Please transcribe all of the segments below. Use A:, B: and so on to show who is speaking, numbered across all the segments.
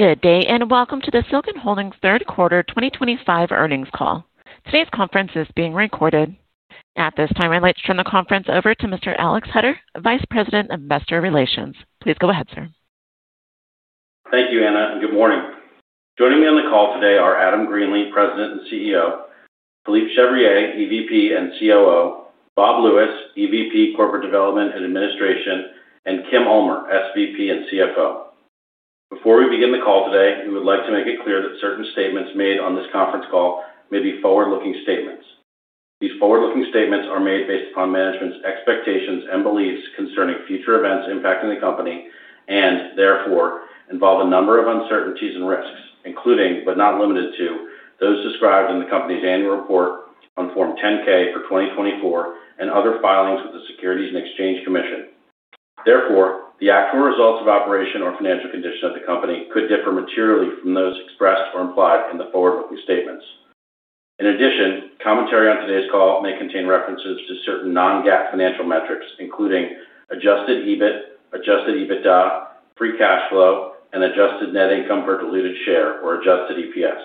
A: Good day, and welcome to the Silgan Holdings third quarter 2025 earnings call. Today's conference is being recorded. At this time, I'd like to turn the conference over to Mr. Alex Hutter, Vice President of Investor Relations. Please go ahead, sir.
B: Thank you, Anna, and good morning. Joining me on the call today are Adam Greenlee, President and CEO, Philippe Chevrier, EVP and COO, Bob Lewis, EVP, Corporate Development and Administration, and Kim Ulmer, SVP and CFO. Before we begin the call today, we would like to make it clear that certain statements made on this conference call may be forward-looking statements. These forward-looking statements are made based upon management's expectations and beliefs concerning future events impacting the company and, therefore, involve a number of uncertainties and risks, including but not limited to those described in the company's annual report on Form 10-K for 2024 and other filings with the Securities and Exchange Commission. Therefore, the actual results of operation or financial condition of the company could differ materially from those expressed or implied in the forward-looking statements. In addition, commentary on today's call may contain references to certain non-GAAP financial metrics, including adjusted EBIT, adjusted EBITDA, free cash flow, and adjusted net income per diluted share, or adjusted EPS.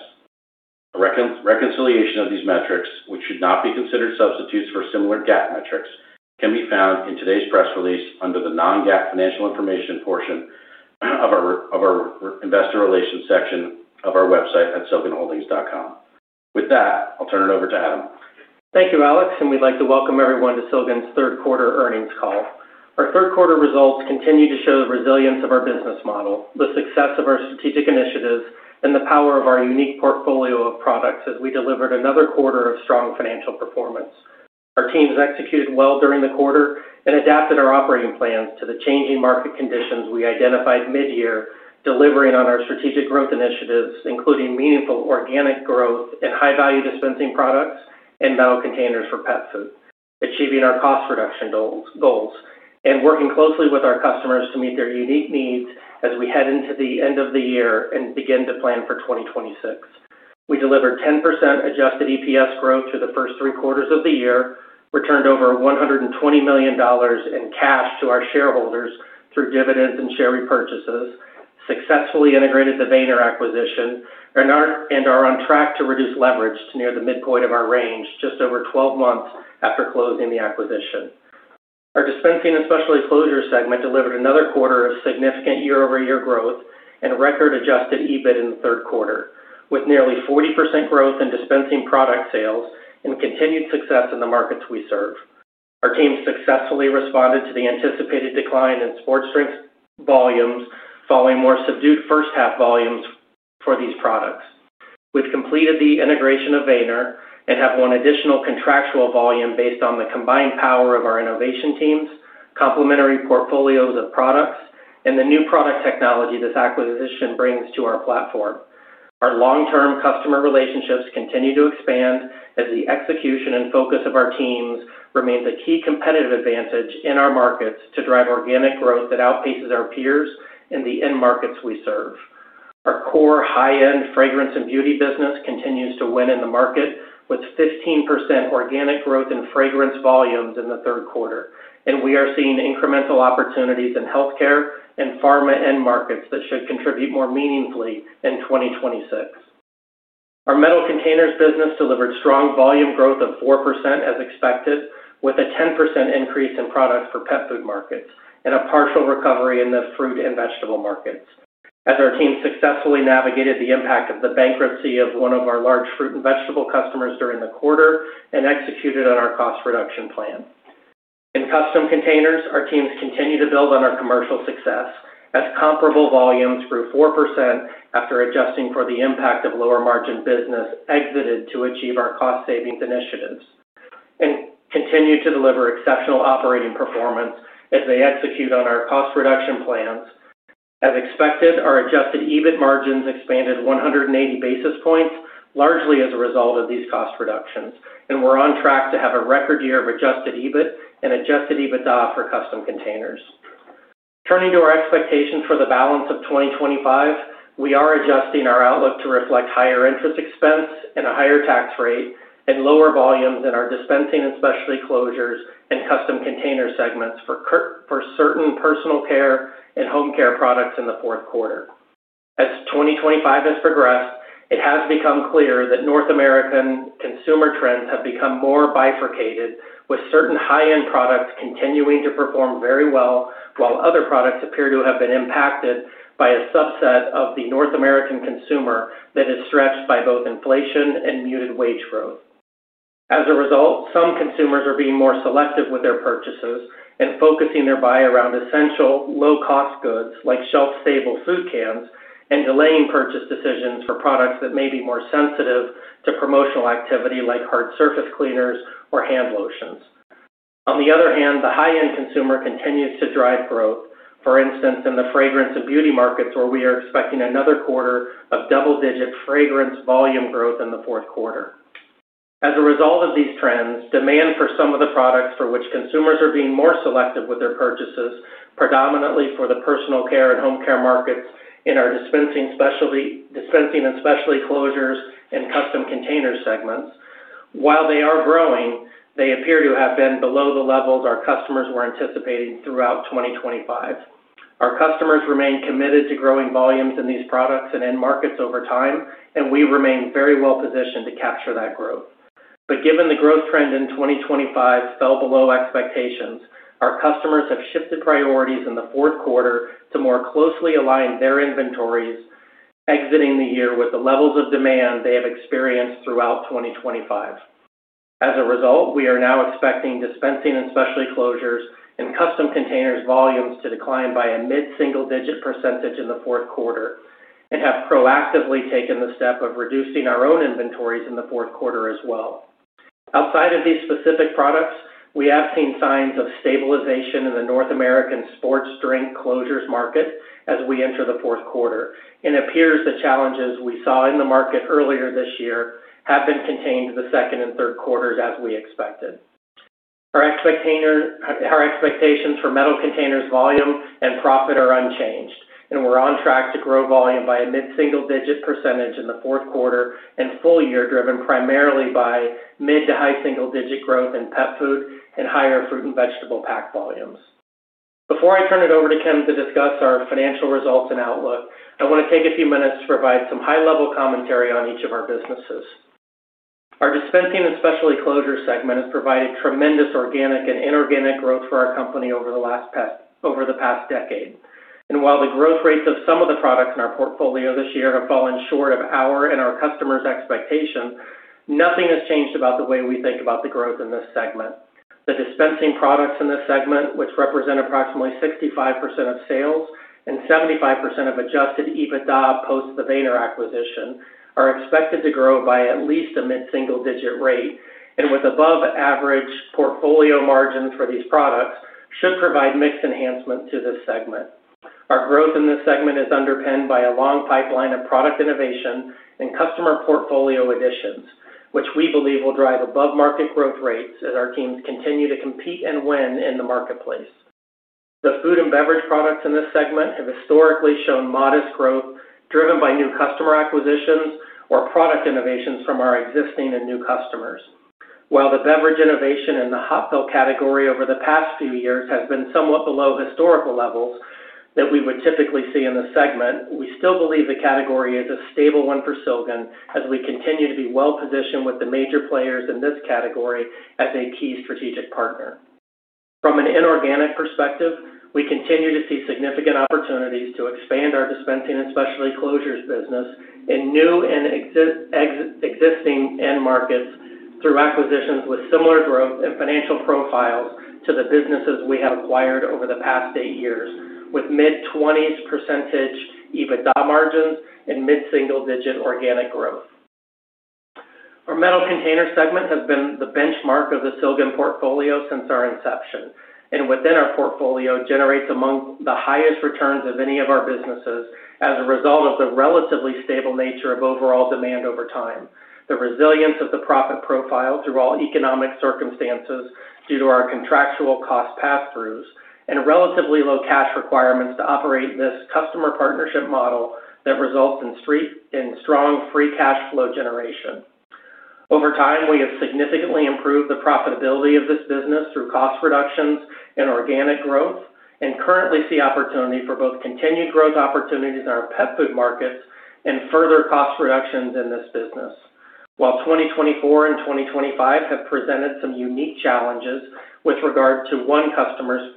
B: A reconciliation of these metrics, which should not be considered substitutes for similar GAAP metrics, can be found in today's press release under the non-GAAP financial information portion of our investor relations section of our website at silganholdings.com. With that, I'll turn it over to Adam.
C: Thank you, Alex, and we'd like to welcome everyone to Silgan's third quarter earnings call. Our third quarter results continue to show the resilience of our business model, the success of our strategic initiatives, and the power of our unique portfolio of products as we delivered another quarter of strong financial performance. Our teams executed well during the quarter and adapted our operating plans to the changing market conditions we identified mid-year, delivering on our strategic growth initiatives, including meaningful organic growth and high-value dispensing products and metal containers for pet food, achieving our cost reduction goals, and working closely with our customers to meet their unique needs as we head into the end of the year and begin to plan for 2026. We delivered 10% adjusted EPS growth through the first three quarters of the year, returned over $120 million in cash to our shareholders through dividends and share repurchases, successfully integrated the Vayner acquisition, and are on track to reduce leverage to near the midpoint of our range, just over 12 months after closing the acquisition. Our Dispensing and Specialty Closures segment delivered another quarter of significant year-over-year growth and record adjusted EBIT in the third quarter, with nearly 40% growth in dispensing product sales and continued success in the markets we serve. Our teams successfully responded to the anticipated decline in sports drinks volumes following more subdued first-half volumes for these products. We've completed the integration of Vayner and have won additional contractual volume based on the combined power of our innovation teams, complementary portfolios of products, and the new product technology this acquisition brings to our platform. Our long-term customer relationships continue to expand as the execution and focus of our teams remain the key competitive advantage in our markets to drive organic growth that outpaces our peers in the end markets we serve. Our core high-end fragrance and beauty business continues to win in the market with 15% organic growth in fragrance volumes in the third quarter, and we are seeing incremental opportunities in healthcare and pharma end markets that should contribute more meaningfully in 2026. Our metal containers business delivered strong volume growth of 4% as expected, with a 10% increase in products for pet food markets and a partial recovery in the fruit and vegetable markets, as our teams successfully navigated the impact of the bankruptcy of one of our large fruit and vegetable customers during the quarter and executed on our cost reduction plan. In custom containers, our teams continue to build on our commercial success as comparable volumes grew 4% after adjusting for the impact of lower margin business exited to achieve our cost savings initiatives and continue to deliver exceptional operating performance as they execute on our cost reduction plans. As expected, our adjusted EBIT margins expanded 180 basis points, largely as a result of these cost reductions, and we're on track to have a record year of adjusted EBIT and adjusted EBITDA for custom containers. Turning to our expectations for the balance of 2025, we are adjusting our outlook to reflect higher interest expense and a higher tax rate and lower volumes in our dispensing and specialty closures and custom container segments for certain personal care and home care products in the fourth quarter. As 2025 has progressed, it has become clear that North American consumer trends have become more bifurcated, with certain high-end products continuing to perform very well, while other products appear to have been impacted by a subset of the North American consumer that is stretched by both inflation and muted wage growth. As a result, some consumers are being more selective with their purchases and focusing their buy around essential low-cost goods like shelf-stable food cans and delaying purchase decisions for products that may be more sensitive to promotional activity like hard surface cleaners or hand lotions. On the other hand, the high-end consumer continues to drive growth, for instance, in the fragrance and beauty markets, where we are expecting another quarter of double-digit fragrance volume growth in the fourth quarter. As a result of these trends, demand for some of the products for which consumers are being more selective with their purchases, predominantly for the personal care and home care markets in our dispensing and specialty closures and custom container segments, while they are growing, they appear to have been below the levels our customers were anticipating throughout 2025. Our customers remain committed to growing volumes in these products and end markets over time, and we remain very well positioned to capture that growth. Given the growth trend in 2025 fell below expectations, our customers have shifted priorities in the fourth quarter to more closely align their inventories, exiting the year with the levels of demand they have experienced throughout 2025. As a result, we are now expecting dispensing and specialty closures and custom containers volumes to decline by a mid-single-digit % in the fourth quarter and have proactively taken the step of reducing our own inventories in the fourth quarter as well. Outside of these specific products, we have seen signs of stabilization in the North America sports drink closures market as we enter the fourth quarter, and it appears the challenges we saw in the market earlier this year have been contained in the second and third quarters, as we expected. Our expectations for metal containers volume and profit are unchanged, and we're on track to grow volume by a mid-single-digit % in the fourth quarter and full year, driven primarily by mid to high single-digit growth in pet food and higher fruit and vegetable pack volumes. Before I turn it over to Kim to discuss our financial results and outlook, I want to take a few minutes to provide some high-level commentary on each of our businesses. Our dispensing and specialty closure segment has provided tremendous organic and inorganic growth for our company over the past decade. While the growth rates of some of the products in our portfolio this year have fallen short of our and our customers' expectations, nothing has changed about the way we think about the growth in this segment. The dispensing products in this segment, which represent approximately 65% of sales and 75% of adjusted EBITDA post the Vayner acquisition, are expected to grow by at least a mid-single-digit rate, and with above-average portfolio margins for these products, should provide mixed enhancements to this segment. Our growth in this segment is underpinned by a long pipeline of product innovation and customer portfolio additions, which we believe will drive above-market growth rates as our teams continue to compete and win in the marketplace. The food and beverage products in this segment have historically shown modest growth, driven by new customer acquisitions or product innovations from our existing and new customers. While the beverage innovation in the hot fill category over the past few years has been somewhat below historical levels that we would typically see in this segment, we still believe the category is a stable one for Silgan as we continue to be well positioned with the major players in this category as a key strategic partner. From an inorganic perspective, we continue to see significant opportunities to expand our Dispensing and Specialty Closures business in new and existing end markets through acquisitions with similar growth and financial profiles to the businesses we have acquired over the past eight years, with mid-20s % EBITDA margins and mid-single-digit organic growth. Our Metal Containers segment has been the benchmark of the Silgan portfolio since our inception, and within our portfolio generates among the highest returns of any of our businesses as a result of the relatively stable nature of overall demand over time, the resilience of the profit profile through all economic circumstances due to our contractual cost pass-throughs, and relatively low cash requirements to operate this customer partnership model that results in strong free cash flow generation. Over time, we have significantly improved the profitability of this business through cost reductions and organic growth and currently see opportunity for both continued growth opportunities in our pet food markets and further cost reductions in this business. While 2024 and 2025 have presented some unique challenges with regard to one customer's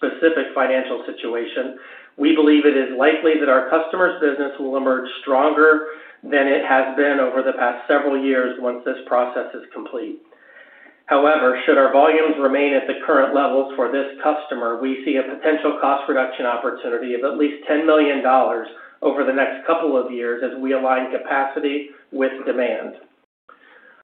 C: specific financial situation, we believe it is likely that our customer's business will emerge stronger than it has been over the past several years once this process is complete. However, should our volumes remain at the current levels for this customer, we see a potential cost reduction opportunity of at least $10 million over the next couple of years as we align capacity with demand.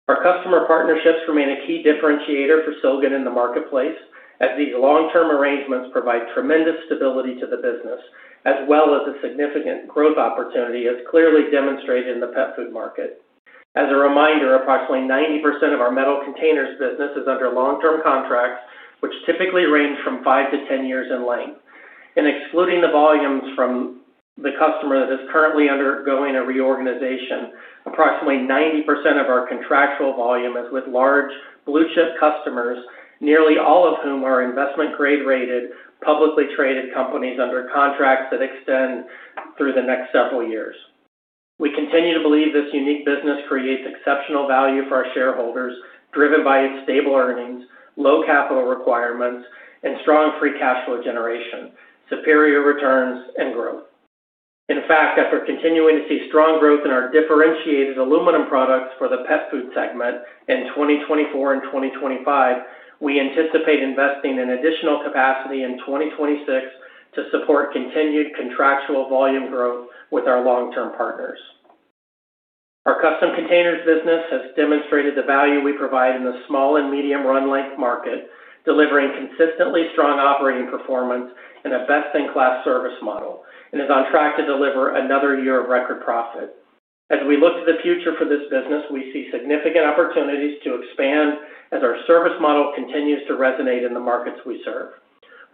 C: Our customer partnerships remain a key differentiator for Silgan in the marketplace as these long-term arrangements provide tremendous stability to the business, as well as a significant growth opportunity as clearly demonstrated in the pet food market. As a reminder, approximately 90% of our Metal Containers business is under long-term contracts, which typically range from five to 10 years in length. Excluding the volumes from the customer that is currently undergoing a reorganization, approximately 90% of our contractual volume is with large blue-chip customers, nearly all of whom are investment-grade rated publicly traded companies under contracts that extend through the next several years. We continue to believe this unique business creates exceptional value for our shareholders, driven by its stable earnings, low capital requirements, strong free cash flow generation, superior returns, and growth. In fact, after continuing to see strong growth in our differentiated aluminum products for the pet food segment in 2024 and 2025, we anticipate investing in additional capacity in 2026 to support continued contractual volume growth with our long-term partners. Our Custom Containers business has demonstrated the value we provide in the small and medium run length market, delivering consistently strong operating performance and a best-in-class service model, and is on track to deliver another year of record profit. As we look to the future for this business, we see significant opportunities to expand as our service model continues to resonate in the markets we serve.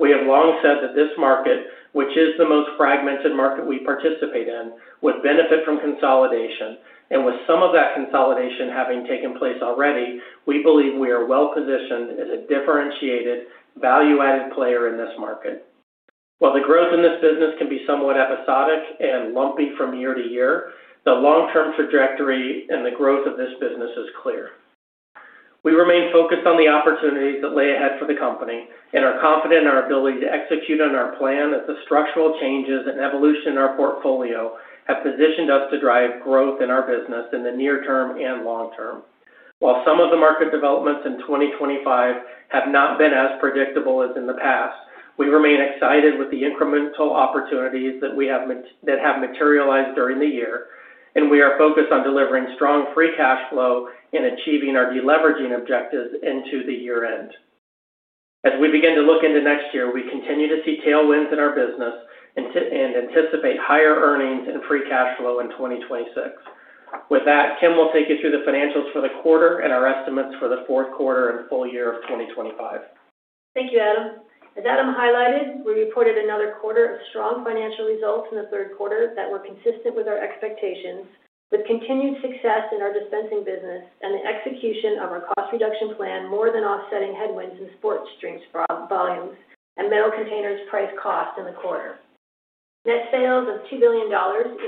C: We have long said that this market, which is the most fragmented market we participate in, would benefit from consolidation. With some of that consolidation having taken place already, we believe we are well positioned as a differentiated value-added player in this market. While the growth in this business can be somewhat episodic and lumpy from year to year, the long-term trajectory and the growth of this business is clear. We remain focused on the opportunities that lay ahead for the company and are confident in our ability to execute on our plan as the structural changes and evolution in our portfolio have positioned us to drive growth in our business in the near term and long term. While some of the market developments in 2025 have not been as predictable as in the past, we remain excited with the incremental opportunities that have materialized during the year, and we are focused on delivering strong free cash flow and achieving our deleveraging objectives into the year-end. As we begin to look into next year, we continue to see tailwinds in our business and anticipate higher earnings and free cash flow in 2026. With that, Kim will take you through the financials for the quarter and our estimates for the fourth quarter and full year of 2025.
D: Thank you, Adam. As Adam highlighted, we reported another quarter of strong financial results in the third quarter that were consistent with our expectations, with continued success in our dispensing business and the execution of our cost reduction plan more than offsetting headwinds in sports drinks volumes and metal containers price cost in the quarter. Net sales of $2 billion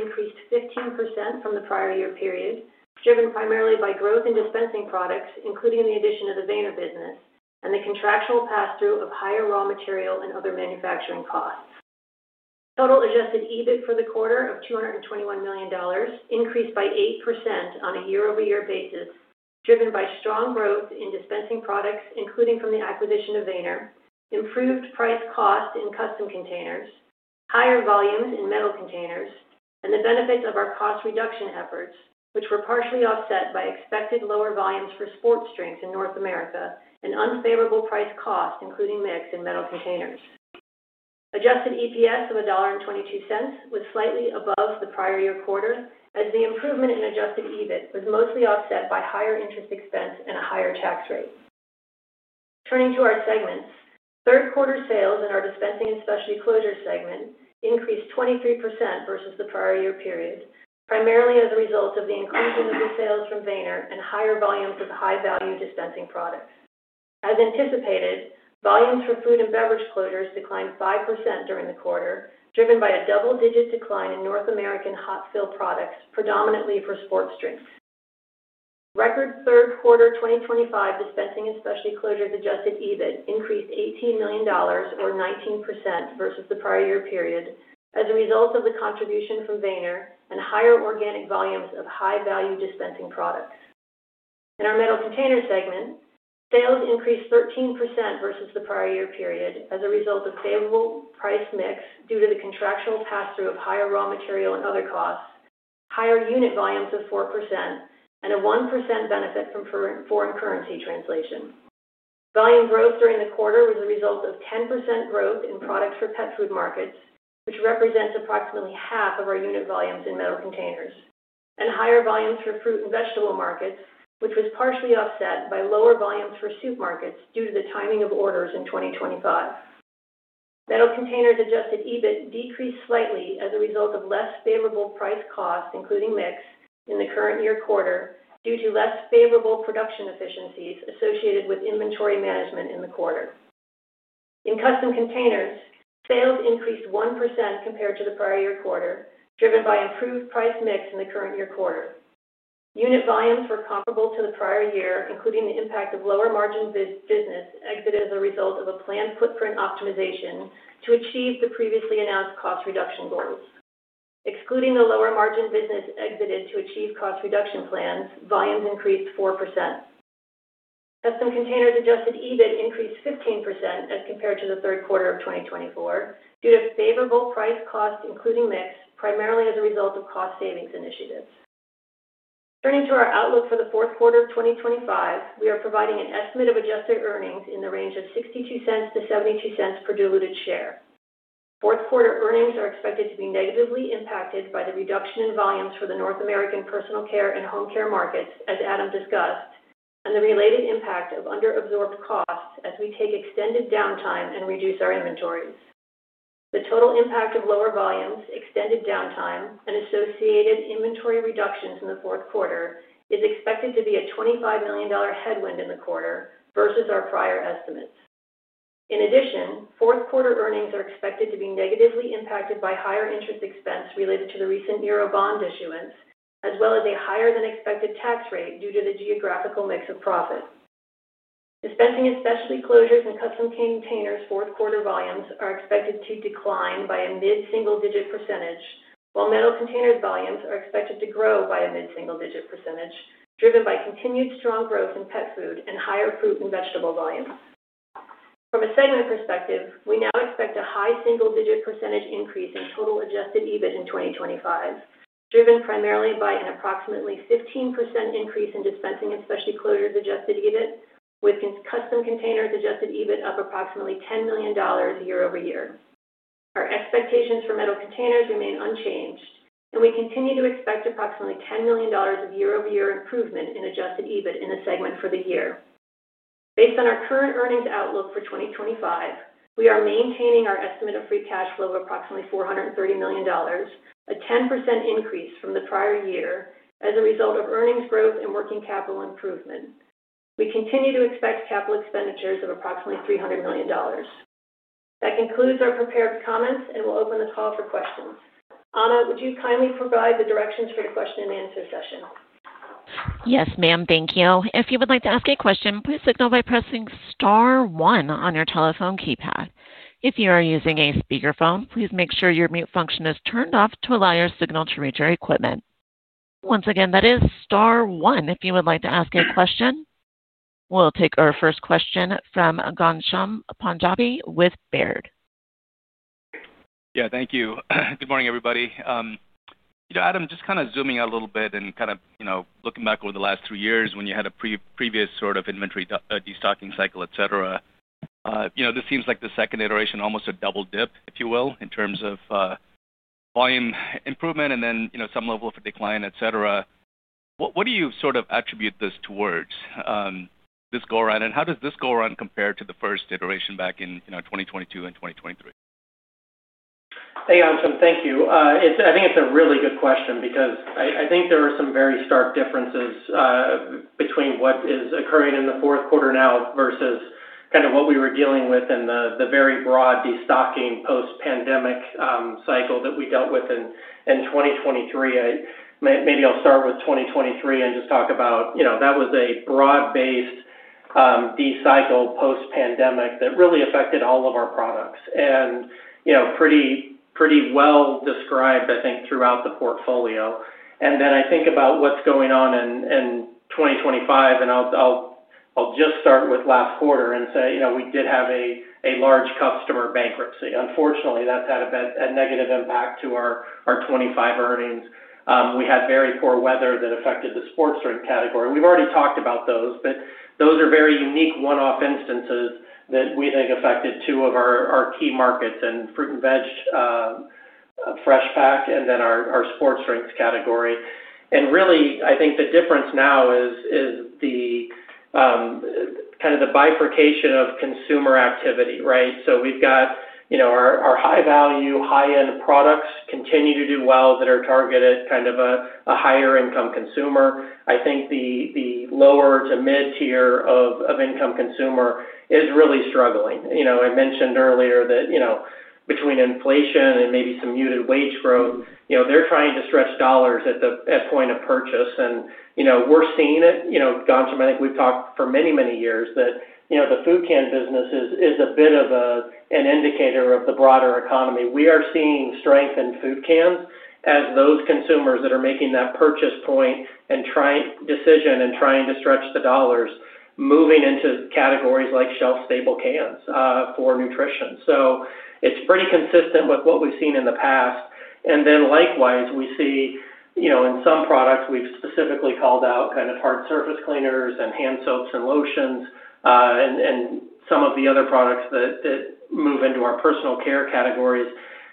D: increased 15% from the prior year period, driven primarily by growth in dispensing products, including the addition of the Vayner business and the contractual pass-through of higher raw material and other manufacturing costs. Total adjusted EBIT for the quarter of $221 million increased by 8% on a year-over-year basis, driven by strong growth in dispensing products, including from the acquisition of Vayner, improved price cost in custom containers, higher volumes in metal containers, and the benefits of our cost reduction efforts, which were partially offset by expected lower volumes for sports drinks in North America and unfavorable price costs, including mix in metal containers. Adjusted EPS of $1.22 was slightly above the prior year quarter, as the improvement in adjusted EBIT was mostly offset by higher interest expense and a higher tax rate. Turning to our segments, third quarter sales in our dispensing and specialty closures segment increased 23% versus the prior year period, primarily as a result of the inclusion of the sales from Vayner and higher volumes of high-value dispensing products. As anticipated, volumes for food and beverage closures declined 5% during the quarter, driven by a double-digit decline in North American hot fill products, predominantly for sports drinks. Record third quarter 2025 dispensing and specialty closures adjusted EBIT increased $18 million, or 19% versus the prior year period, as a result of the contribution from Vayner and higher organic volumes of high-value dispensing products. In our metal container segment, sales increased 13% versus the prior year period as a result of favorable price mix due to the contractual pass-through of higher raw material and other costs, higher unit volumes of 4%, and a 1% benefit from foreign currency translation. Volume growth during the quarter was a result of 10% growth in products for pet food markets, which represents approximately half of our unit volumes in metal containers, and higher volumes for fruit and vegetable markets, which was partially offset by lower volumes for soup markets due to the timing of orders in 2025. Metal containers adjusted EBIT decreased slightly as a result of less favorable price costs, including mix in the current year quarter, due to less favorable production efficiencies associated with inventory management in the quarter. In custom containers, sales increased 1% compared to the prior year quarter, driven by improved price mix in the current year quarter. Unit volumes were comparable to the prior year, including the impact of lower margin business exited as a result of a planned footprint optimization to achieve the previously announced cost reduction goals. Excluding the lower margin business exited to achieve cost reduction plans, volumes increased 4%. Custom containers adjusted EBIT increased 15% as compared to the third quarter of 2024 due to favorable price costs, including mix, primarily as a result of cost savings initiatives. Turning to our outlook for the fourth quarter of 2025, we are providing an estimate of adjusted earnings in the range of $0.62-$0.72 per diluted share. Fourth quarter earnings are expected to be negatively impacted by the reduction in volumes for the North America personal care and home care markets, as Adam Greenlee discussed, and the related impact of underabsorbed costs as we take extended downtime and reduce our inventories. The total impact of lower volumes, extended downtime, and associated inventory reductions in the fourth quarter is expected to be a $25 million headwind in the quarter versus our prior estimates. In addition, fourth quarter earnings are expected to be negatively impacted by higher interest expense related to the recent euro bond issuance, as well as a higher than expected tax rate due to the geographical mix of profit. Dispensing and specialty closures and custom containers fourth quarter volumes are expected to decline by a mid-single-digit percentage, while metal containers volumes are expected to grow by a mid-single-digit percentage, driven by continued strong growth in pet food and higher fruit and vegetable volumes. From a segment perspective, we now expect a high single-digit % increase in total adjusted EBIT in 2025, driven primarily by an approximately 15% increase in Dispensing and Specialty Closures adjusted EBIT, with Custom Containers adjusted EBIT up approximately $10 million year over year. Our expectations for Metal Containers remain unchanged, and we continue to expect approximately $10 million of year-over-year improvement in adjusted EBIT in the segment for the year. Based on our current earnings outlook for 2025, we are maintaining our estimate of free cash flow of approximately $430 million, a 10% increase from the prior year as a result of earnings growth and working capital improvement. We continue to expect capital expenditures of approximately $300 million. That concludes our prepared comments, and we'll open the call for questions. Anna, would you kindly provide the directions for the question and answer session?
A: Yes, ma'am. Thank you. If you would like to ask a question, please signal by pressing star one on your telephone keypad. If you are using a speakerphone, please make sure your mute function is turned off to allow your signal to reach your equipment. Once again, that is star one. If you would like to ask a question, we'll take our first question from Ghansham Panjabi with Baird.
E: Yeah, thank you. Good morning, everybody. Adam, just kind of zooming out a little bit and looking back over the last three years when you had a previous sort of inventory destocking cycle, et cetera. This seems like the second iteration, almost a double dip, if you will, in terms of volume improvement and then some level of a decline, et cetera. What do you attribute this towards this go around, and how does this go around compare to the first iteration back in 2022 and 2023?
C: Hey, Ghansham, thank you. I think it's a really good question because I think there are some very stark differences between what is occurring in the fourth quarter now versus kind of what we were dealing with in the very broad destocking post-pandemic cycle that we dealt with in 2023. Maybe I'll start with 2023 and just talk about, you know, that was a broad-based de-cycle post-pandemic that really affected all of our products and, you know, pretty well described, I think, throughout the portfolio. I think about what's going on in 2025, and I'll just start with last quarter and say, you know, we did have a large customer bankruptcy. Unfortunately, that's had a negative impact to our 2025 earnings. We had very poor weather that affected the sports drink category. We've already talked about those, but those are very unique one-off instances that we think affected two of our key markets, fruit and veg, fresh pack, and then our sports drinks category. I think the difference now is the kind of bifurcation of consumer activity, right? We've got our high-value, high-end products that continue to do well that are targeted at a higher income consumer. I think the lower to mid-tier of income consumer is really struggling. I mentioned earlier that, you know, between inflation and maybe some muted wage growth, they're trying to stretch dollars at the point of purchase. We're seeing it. Ghansham, I think we've talked for many years that the food can business is a bit of an indicator of the broader economy. We are seeing strength in food cans as those consumers that are making that purchase point decision and trying to stretch the dollars are moving into categories like shelf-stable cans for nutrition. It's pretty consistent with what we've seen in the past. Likewise, we see in some products, we've specifically called out hard surface cleaners and hand soaps and lotions, and some of the other products that move into our personal care categories.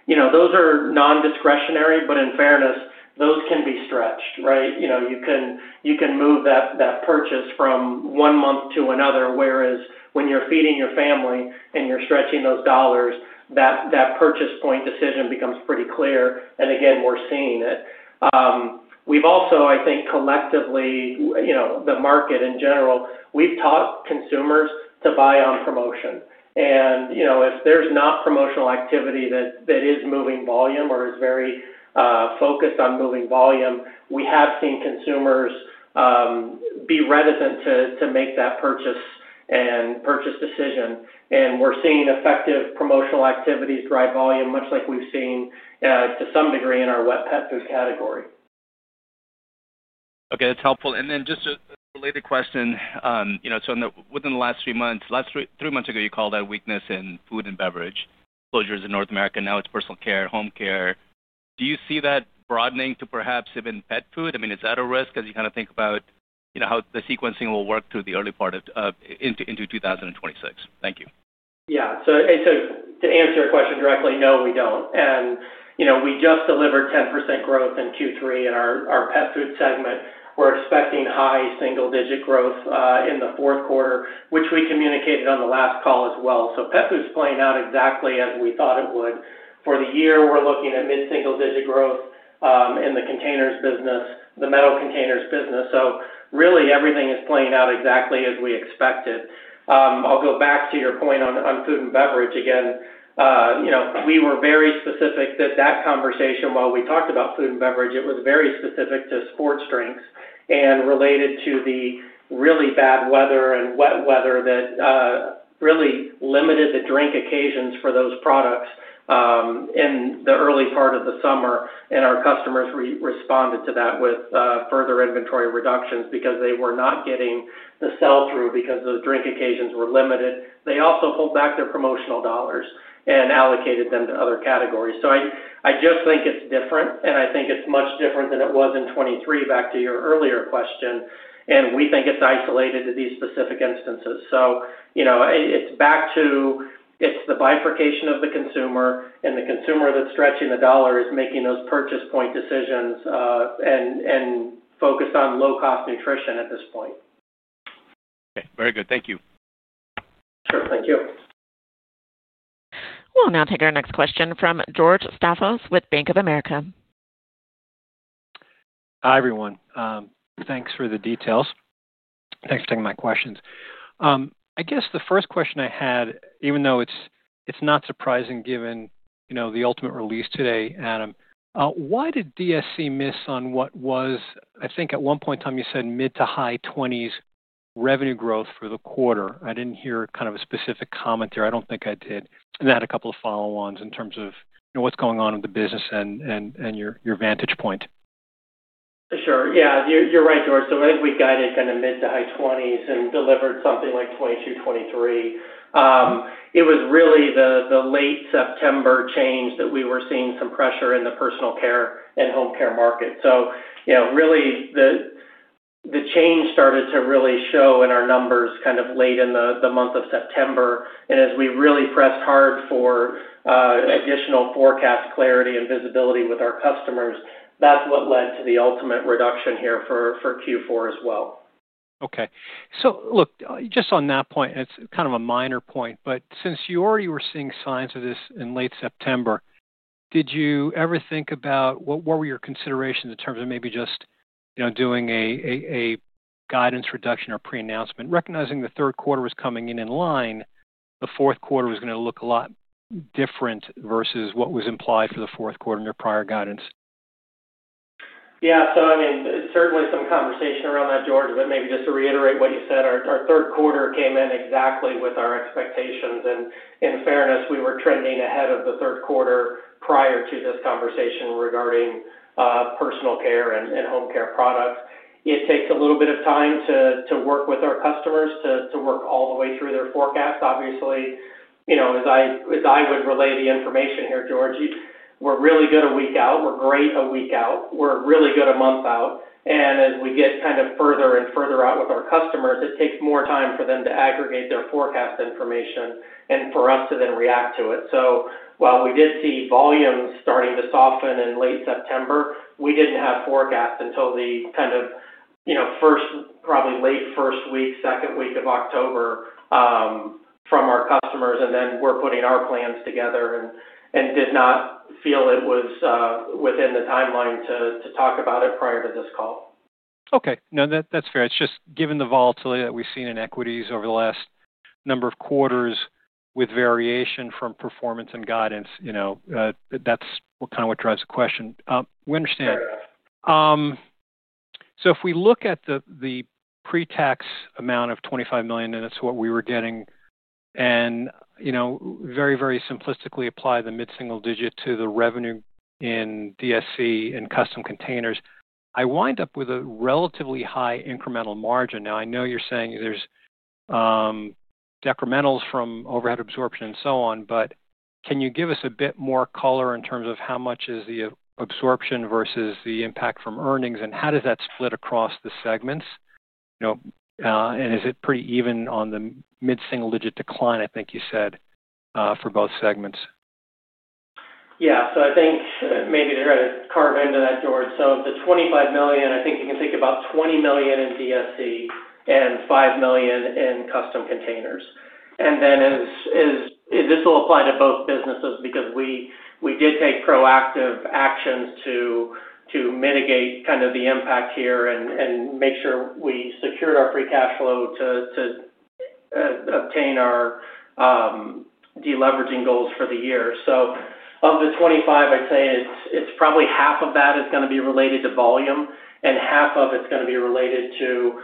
C: Those are non-discretionary, but in fairness, those can be stretched, right? You can move that purchase from one month to another, whereas when you're feeding your family and you're stretching those dollars, that purchase point decision becomes pretty clear. Again, we're seeing it. We've also, I think collectively, the market in general, we've taught consumers to buy on promotion. If there's not promotional activity that is moving volume or is very focused on moving volume, we have seen consumers be reticent to make that purchase and purchase decision. We're seeing effective promotional activities drive volume, much like we've seen to some degree in our wet pet food category.
E: Okay, that's helpful. Just a related question, within the last few months, three months ago, you called out that weakness in food and beverage closures in North America. Now it's personal care, home care. Do you see that broadening to perhaps even pet food? Is that a risk as you think about how the sequencing will work through the early part of, into 2026? Thank you.
C: Yeah. To answer your question directly, no, we don't. We just delivered 10% growth in Q3 in our pet food segment. We're expecting high single-digit growth in the fourth quarter, which we communicated on the last call as well. Pet food's playing out exactly as we thought it would. For the year, we're looking at mid-single-digit growth in the containers business, the metal containers business. Really, everything is playing out exactly as we expected. I'll go back to your point on food and beverage again. We were very specific that conversation, while we talked about food and beverage, was very specific to sports drinks and related to the really bad weather and wet weather that really limited the drink occasions for those products in the early part of the summer. Our customers responded to that with further inventory reductions because they were not getting the sell-through because the drink occasions were limited. They also pulled back their promotional dollars and allocated them to other categories. I just think it's different, and I think it's much different than it was in 2023, back to your earlier question. We think it's isolated to these specific instances. It's the bifurcation of the consumer, and the consumer that's stretching the dollar is making those purchase point decisions and focused on low-cost nutrition at this point.
E: Okay, very good. Thank you.
C: Sure, thank you.
A: We'll now take our next question from George Staphos with Bank of America.
F: Hi, everyone. Thanks for the details. Thanks for taking my questions. I guess the first question I had, even though it's not surprising given, you know, the ultimate release today, Adam, why did DSC miss on what was, I think at one point in time, you said mid to high 20% revenue growth for the quarter? I didn't hear kind of a specific comment there. I don't think I did. I had a couple of follow-ons in terms of, you know, what's going on with the business and your vantage point.
C: Sure. Yeah, you're right, George. I think we guided kind of mid to high 20s and delivered something like 22, 23. It was really the late September change that we were seeing some pressure in the personal care and home care market. Really, the change started to show in our numbers late in the month of September. As we pressed hard for additional forecast clarity and visibility with our customers, that's what led to the ultimate reduction here for Q4 as well.
F: Okay. Just on that point, and it's kind of a minor point, but since you already were seeing signs of this in late September, did you ever think about what were your considerations in terms of maybe just, you know, doing a guidance reduction or pre-announcement, recognizing the third quarter was coming in in line, the fourth quarter was going to look a lot different versus what was implied for the fourth quarter in your prior guidance?
C: Yeah. Certainly some conversation around that, George, but maybe just to reiterate what you said, our third quarter came in exactly with our expectations. In fairness, we were trending ahead of the third quarter prior to this conversation regarding personal care and home care products. It takes a little bit of time to work with our customers to work all the way through their forecast. Obviously, as I would relay the information here, George, we're really good a week out. We're great a week out. We're really good a month out. As we get kind of further and further out with our customers, it takes more time for them to aggregate their forecast information and for us to then react to it. While we did see volumes starting to soften in late September, we didn't have forecast until the kind of, you know, probably late first week, second week of October from our customers. Then we're putting our plans together and did not feel it was within the timeline to talk about it prior to this call.
F: Okay, no, that's fair. It's just given the volatility that we've seen in equities over the last number of quarters with variation from performance and guidance, you know, that's kind of what drives the question. We understand. If we look at the pre-tax amount of $25 million and it's what we were getting, and, you know, very, very simplistically apply the mid-single digit % to the revenue in DSC and Custom Containers, I wind up with a relatively high incremental margin. Now, I know you're saying there's decrementals from overhead absorption and so on, but can you give us a bit more color in terms of how much is the absorption versus the impact from earnings and how does that split across the segments? You know, and is it pretty even on the mid-single digit decline, I think you said, for both segments?
C: Yeah. I think maybe to try to carve into that, George. Of the $25 million, I think you can think about $20 million in DSC and $5 million in Custom Containers. This will apply to both businesses because we did take proactive actions to mitigate the impact here and make sure we secured our free cash flow to obtain our deleveraging goals for the year. Of the $25 million, I'd say it's probably half of that is going to be related to volume and half of it's going to be related to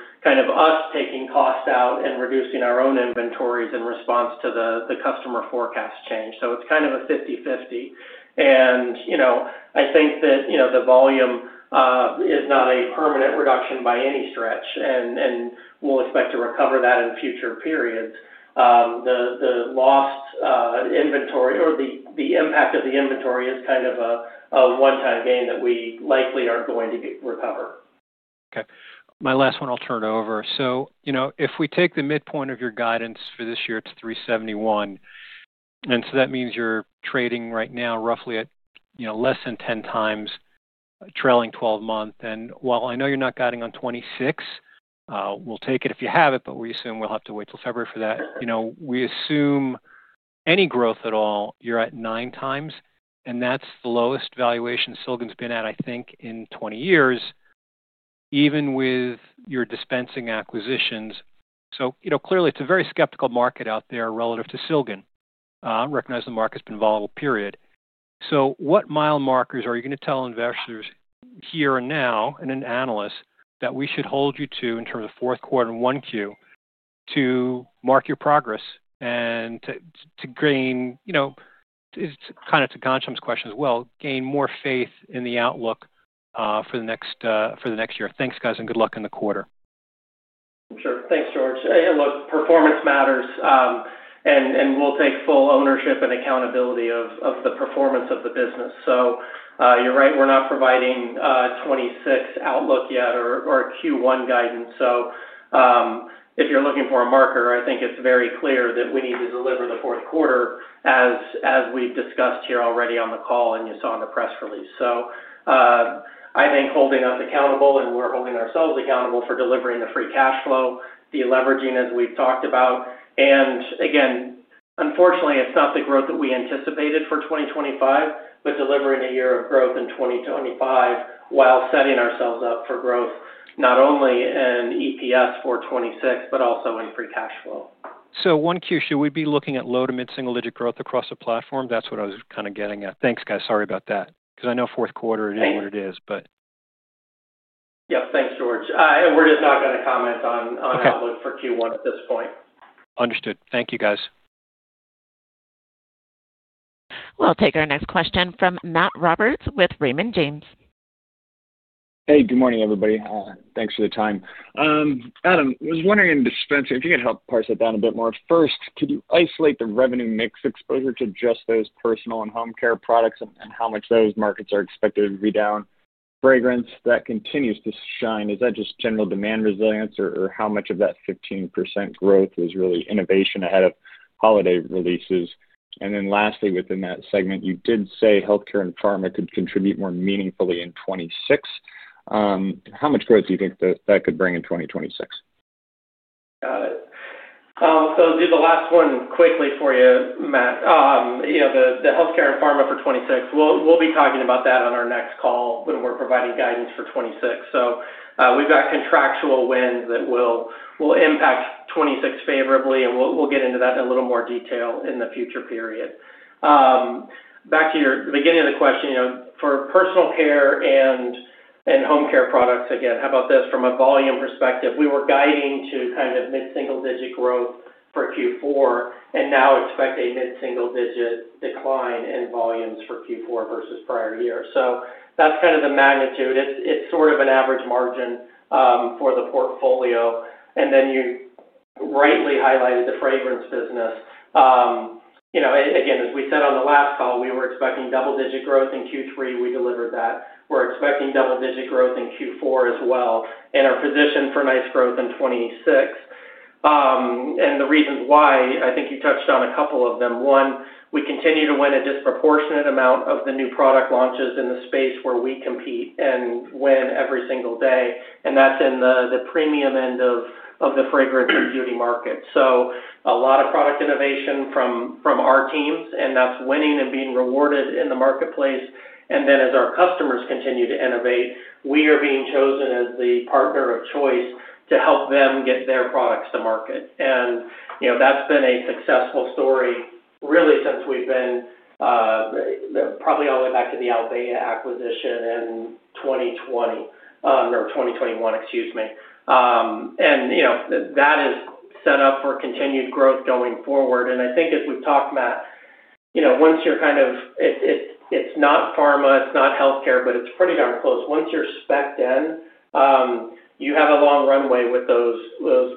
C: us taking costs out and reducing our own inventories in response to the customer forecast change. It's kind of a 50/50. I think that the volume is not a permanent reduction by any stretch and we'll expect to recover that in future periods. The lost inventory or the impact of the inventory is kind of a one-time gain that we likely are going to recover.
F: Okay. My last one, I'll turn it over. If we take the midpoint of your guidance for this year, it's $3.71. That means you're trading right now roughly at less than 10x trailing 12 months. While I know you're not guiding on 2026, we'll take it if you have it, but we assume we'll have to wait till February for that. We assume any growth at all, you're at 9x, and that's the lowest valuation Silgan's been at, I think, in 20 years, even with your dispensing acquisitions. Clearly, it's a very skeptical market out there relative to Silgan. I recognize the market's been volatile, period. What mile markers are you going to tell investors here and now and an analyst that we should hold you to in terms of the fourth quarter and Q1 to mark your progress and to gain, you know, it's kind of to Ghansham's question as well, gain more faith in the outlook for the next year. Thanks, guys, and good luck in the quarter.
C: Sure. Thanks, George. Performance matters, and we'll take full ownership and accountability of the performance of the business. You're right. We're not providing 2026 outlook yet or Q1 guidance. If you're looking for a marker, I think it's very clear that we need to deliver the fourth quarter as we've discussed here already on the call and you saw in the press release. I think holding us accountable and we're holding ourselves accountable for delivering the free cash flow, deleveraging as we've talked about. Unfortunately, it's not the growth that we anticipated for 2025, but delivering a year of growth in 2025 while setting ourselves up for growth, not only in EPS for 2026, but also in free cash flow.
F: 1Q, should we be looking at low to mid-single-digit growth across the platform? That's what I was kind of getting at. Thanks, guys. Sorry about that. I know fourth quarter, it is what it is.
C: Yes. Thanks, George. We're just not going to comment on outlook for Q1 at this point.
F: Understood. Thank you, guys.
A: We'll take our next question from Matt Roberts with Raymond James.
G: Hey, good morning, everybody. Thanks for the time. Adam, I was wondering in dispensing, if you could help parse that down a bit more. First, could you isolate the revenue mix exposure to just those personal and home care products and how much those markets are expected to be down? Fragrance that continues to shine, is that just general demand resilience or how much of that 15% growth was really innovation ahead of holiday releases? Lastly, within that segment, you did say healthcare and pharma could contribute more meaningfully in 2026. How much growth do you think that that could bring in 2026?
C: Got it. I'll do the last one quickly for you, Matt. The healthcare and pharma for 2026, we'll be talking about that on our next call when we're providing guidance for 2026. We've got contractual wins that will impact 2026 favorably, and we'll get into that in a little more detail in the future period. Back to your beginning of the question, for personal care and home care products, how about this? From a volume perspective, we were guiding to kind of mid-single-digit growth for Q4 and now expect a mid-single-digit decline in volumes for Q4 versus prior year. That's kind of the magnitude. It's sort of an average margin for the portfolio. You rightly highlighted the fragrance business. As we said on the last call, we were expecting double-digit growth in Q3. We delivered that. We're expecting double-digit growth in Q4 as well, and are positioned for nice growth in 2026. The reasons why, I think you touched on a couple of them. One, we continue to win a disproportionate amount of the new product launches in the space where we compete and win every single day. That's in the premium end of the fragrance and beauty market. A lot of product innovation from our teams, and that's winning and being rewarded in the marketplace. As our customers continue to innovate, we are being chosen as the partner of choice to help them get their products to market. That's been a successful story really since we've been, probably all the way back to the Albea acquisition in 2020, or 2021, excuse me. That is set up for continued growth going forward. I think as we've talked, Matt, once you're kind of, it's not pharma, it's not healthcare, but it's pretty darn close. Once you're spec'd in, you have a long runway with those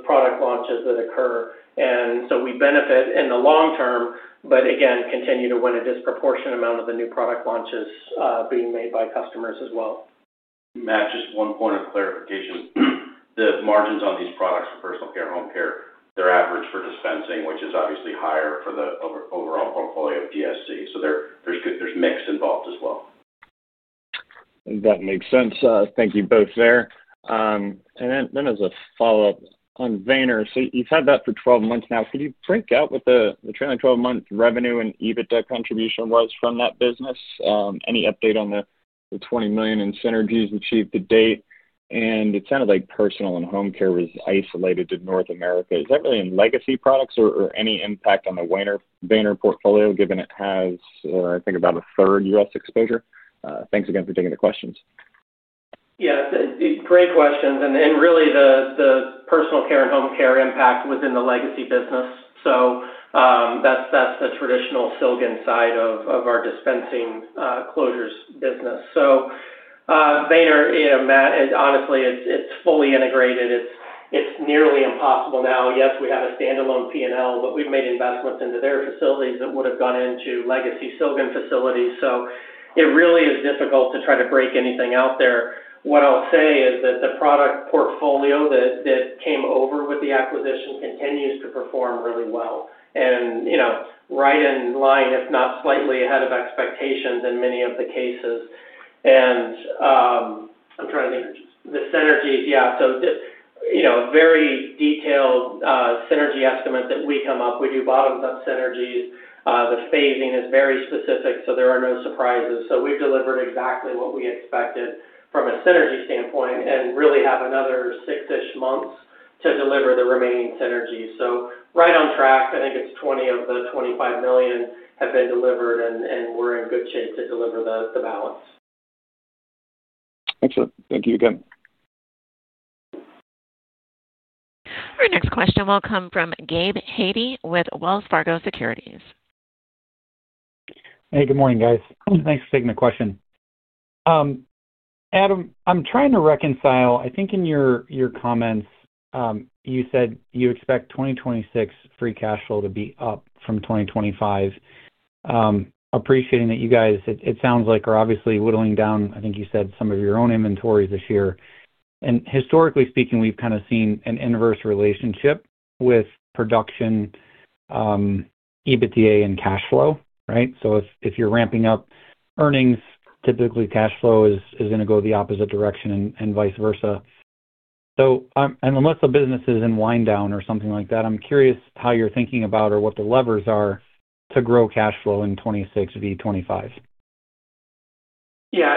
C: product launches that occur. We benefit in the long term, but again, continue to win a disproportionate amount of the new product launches being made by customers as well.
H: Matt, just one point of clarification. The margins on these products for personal care, home care, they're average for dispensing, which is obviously higher for the overall portfolio of DSC. There's good, there's mix involved as well.
G: That makes sense. Thank you both there. As a follow-up on Vayner, you've had that for 12 months now. Could you break out what the trailing 12-month revenue and EBITDA contribution was from that business? Any update on the $20 million in synergies achieved to date? It sounded like personal and home care was isolated to North America. Is that really in legacy products or any impact on the Vayner portfolio, given it has, I think, about a third U.S. exposure? Thanks again for taking the questions.
C: Yeah, great questions. Really, the personal care and home care impact was in the legacy business. That's the traditional Silgan side of our dispensing closures business. Vayner, you know, Matt, honestly, it's fully integrated. It's nearly impossible now. Yes, we have a standalone P&L, but we've made investments into their facilities that would have gone into legacy Silgan facilities. It really is difficult to try to break anything out there. What I'll say is that the product portfolio that came over with the acquisition continues to perform really well, right in line, if not slightly ahead of expectations in many of the cases. I'm trying to think of the synergies. A very detailed synergy estimate that we come up with, we do bottoms-up synergies. The phasing is very specific, so there are no surprises. We've delivered exactly what we expected from a synergy standpoint and really have another six-ish months to deliver the remaining synergies. Right on track. I think it's $20 million of the $25 million have been delivered, and we're in good shape to deliver the balance.
G: Excellent. Thank you again.
A: Our next question will come from Gabe Hajde with Wells Fargo Securities.
I: Hey, good morning, guys. Thanks for taking the question. Adam, I'm trying to reconcile, I think in your comments, you said you expect 2026 free cash flow to be up from 2025. Appreciating that you guys, it sounds like, are obviously whittling down, I think you said, some of your own inventories this year. Historically speaking, we've kind of seen an inverse relationship with production, EBITDA, and cash flow, right? If you're ramping up earnings, typically cash flow is going to go the opposite direction and vice versa. Unless the business is in wind-down or something like that, I'm curious how you're thinking about or what the levers are to grow cash flow in 2026 to 2025.
C: Yeah,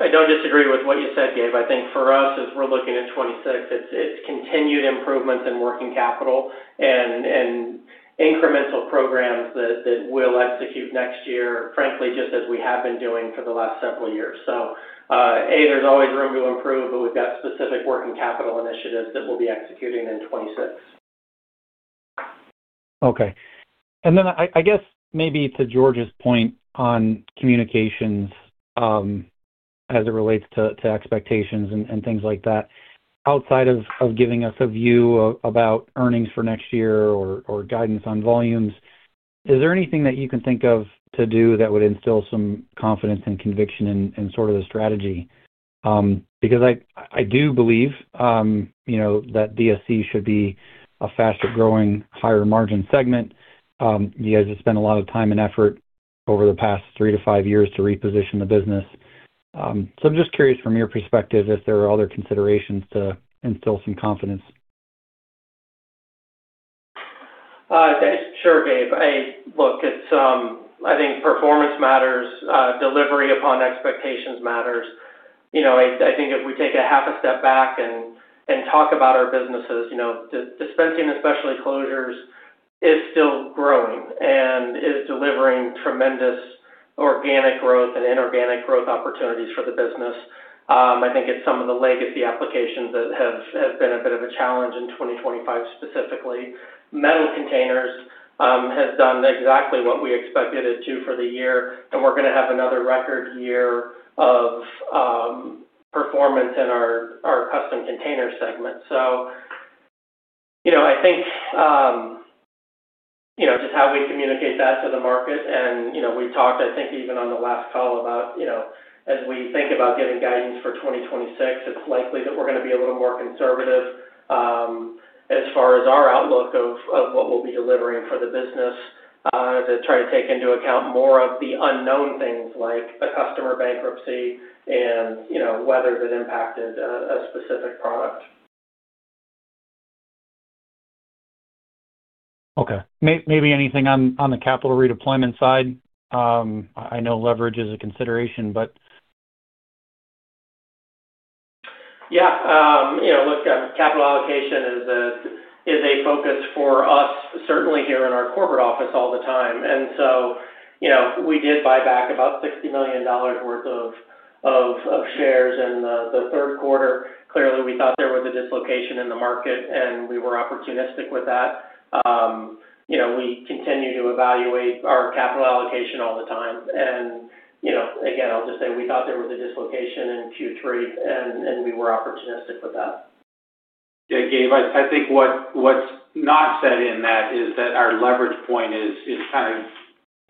C: I don't disagree with what you said, Gabe. I think for us, as we're looking at 2026, it's continued improvements in working capital and incremental programs that we'll execute next year, frankly, just as we have been doing for the last several years. There's always room to improve, but we've got specific working capital initiatives that we'll be executing in 2026.
I: Okay. I guess maybe to George's point on communications, as it relates to expectations and things like that, outside of giving us a view about earnings for next year or guidance on volumes, is there anything that you can think of to do that would instill some confidence and conviction in sort of the strategy? I do believe, you know, that DSC should be a faster growing, higher margin segment. You guys have spent a lot of time and effort over the past three to five years to reposition the business. I'm just curious from your perspective if there are other considerations to instill some confidence.
C: Thanks. Sure, Gabe. I think performance matters. Delivery upon expectations matters. If we take a half a step back and talk about our businesses, dispensing and specialty closures is still growing and is delivering tremendous organic growth and inorganic growth opportunities for the business. I think it's some of the legacy applications that have been a bit of a challenge in 2025 specifically. Metal containers has done exactly what we expected it to for the year, and we're going to have another record year of performance in our custom container segment. I think just how we communicate that to the market, and we talked, I think, even on the last call about, as we think about getting guidance for 2026, it's likely that we're going to be a little more conservative as far as our outlook of what we'll be delivering for the business, to try to take into account more of the unknown things like a customer bankruptcy and weather that impacted a specific product.
I: Okay. Maybe anything on the capital redeployment side? I know leverage is a consideration, but.
C: Yeah, you know, look, capital allocation is a focus for us, certainly here in our corporate office all the time. We did buy back about $60 million worth of shares in the third quarter. Clearly, we thought there was a dislocation in the market, and we were opportunistic with that. You know, we continue to evaluate our capital allocation all the time. Again, I'll just say we thought there was a dislocation in Q3, and we were opportunistic with that. Yeah. Gabe, I think what's not said in that is that our leverage point is kind of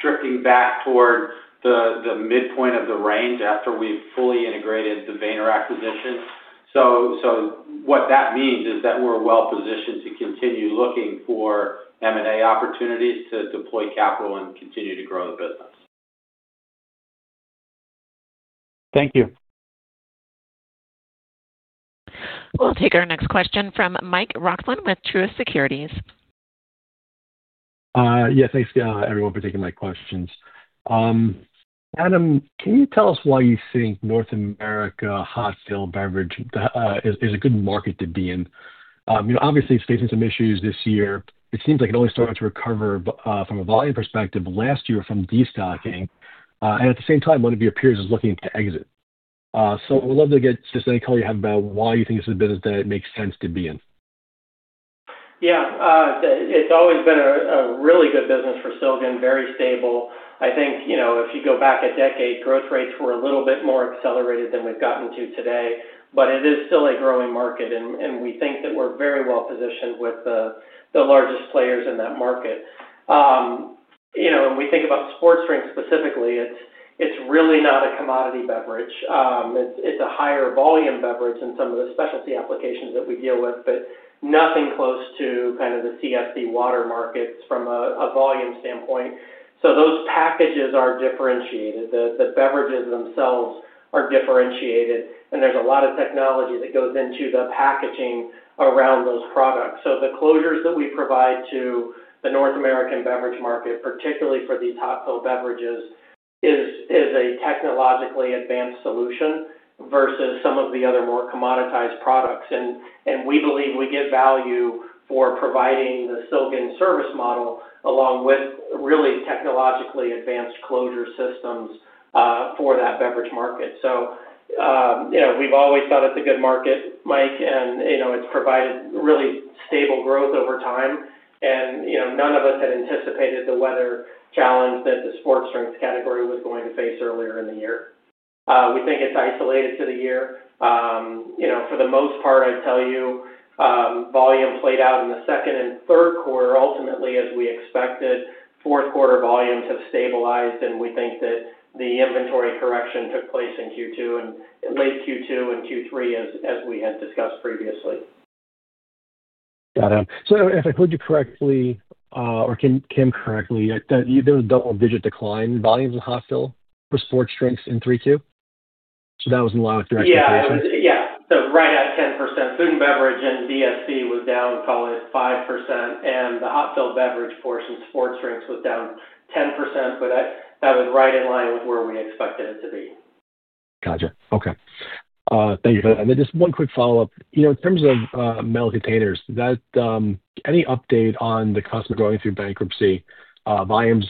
C: drifting back toward the midpoint of the range after we've fully integrated the Weener acquisition. What that means is that we're well positioned to continue looking for M&A opportunities to deploy capital and continue to grow the business.
I: Thank you.
A: We'll take our next question from Mike Roxland with Truist Securities.
J: Yeah, thanks, everyone, for taking my questions. Adam, can you tell us why you think North America hot fill beverage is a good market to be in? Obviously, it's facing some issues this year. It seems like it only started to recover from a volume perspective last year from destocking. At the same time, one of your peers is looking to exit. I would love to get just any call you have about why you think this is a business that it makes sense to be in.
C: Yeah. It's always been a really good business for Silgan, very stable. I think, you know, if you go back a decade, growth rates were a little bit more accelerated than we've gotten to today. It is still a growing market, and we think that we're very well positioned with the largest players in that market. You know, when we think about sports drinks specifically, it's really not a commodity beverage. It's a higher volume beverage in some of the specialty applications that we deal with, but nothing close to the CSC water markets from a volume standpoint. Those packages are differentiated. The beverages themselves are differentiated, and there's a lot of technology that goes into the packaging around those products. The closures that we provide to the North American beverage market, particularly for these hot fill beverages, is a technologically advanced solution versus some of the other more commoditized products. We believe we get value for providing the Silgan service model along with really technologically advanced closure systems for that beverage market. We've always thought it's a good market, Mike, and it's provided really stable growth over time. None of us had anticipated the weather challenge that the sports drinks category was going to face earlier in the year. We think it's isolated to the year. For the most part, I'd tell you, volume played out in the second and third quarter ultimately as we expected. Fourth quarter volumes have stabilized, and we think that the inventory correction took place in Q2 and late Q2 and Q3, as we had discussed previously.
J: Got it. If I heard you correctly, or Kim correctly, there was a double-digit decline in volumes in hot fill for sports drinks in 3Q. That was in line with your expectation?
C: Yeah. Right at 10%. Food and beverage and DSC was down, call it 5%. The hot fill beverage portion, sports drinks, was down 10%, but that was right in line with where we expected it to be.
J: Gotcha. Okay, thank you for that. Just one quick follow-up. In terms of metal containers, is there any update on the customer going through bankruptcy? Volumes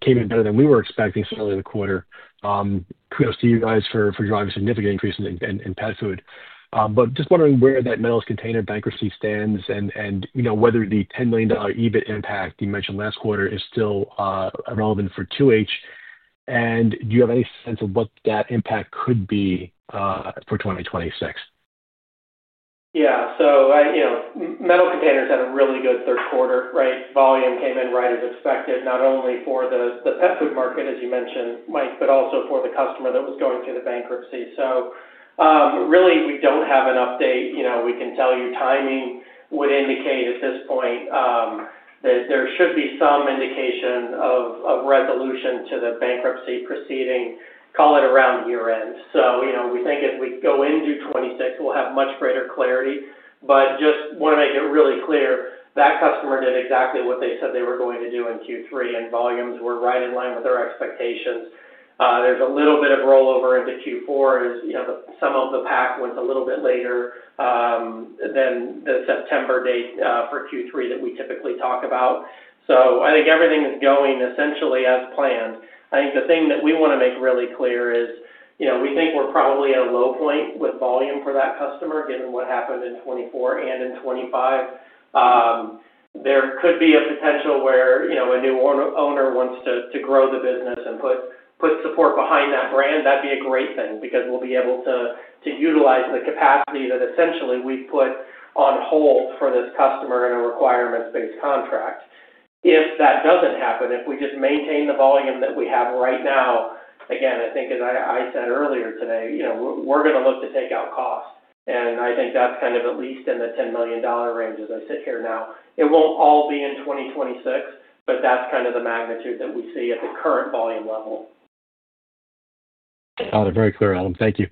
J: came in better than we were expecting earlier in the quarter. I see you guys driving significant increases in pet food. Just wondering where that metal containers bankruptcy stands and whether the $10 million EBIT impact you mentioned last quarter is still relevant for 2H. Do you have any sense of what that impact could be for 2026?
C: Yeah. Metal containers had a really good third quarter, right? Volume came in right as expected, not only for the pet food market, as you mentioned, Mike, but also for the customer that was going through the bankruptcy. We don't have an update. Timing would indicate at this point that there should be some indication of resolution to the bankruptcy proceeding, call it around year-end. We think if we go into 2026, we'll have much greater clarity. Just want to make it really clear, that customer did exactly what they said they were going to do in Q3, and volumes were right in line with their expectations. There's a little bit of rollover into Q4 as some of the pack went a little bit later than the September date for Q3 that we typically talk about. I think everything is going essentially as planned. The thing that we want to make really clear is we think we're probably at a low point with volume for that customer, given what happened in 2024 and in 2025. There could be a potential where a new owner wants to grow the business and put support behind that brand. That'd be a great thing because we'll be able to utilize the capacity that essentially we've put on hold for this customer in a requirements-based contract. If that doesn't happen, if we just maintain the volume that we have right now, again, I think, as I said earlier today, we're going to look to take out cost. I think that's kind of at least in the $10 million range as I sit here now. It won't all be in 2026, but that's kind of the magnitude that we see at the current volume level.
J: Got it. Very clear, Adam. Thank you.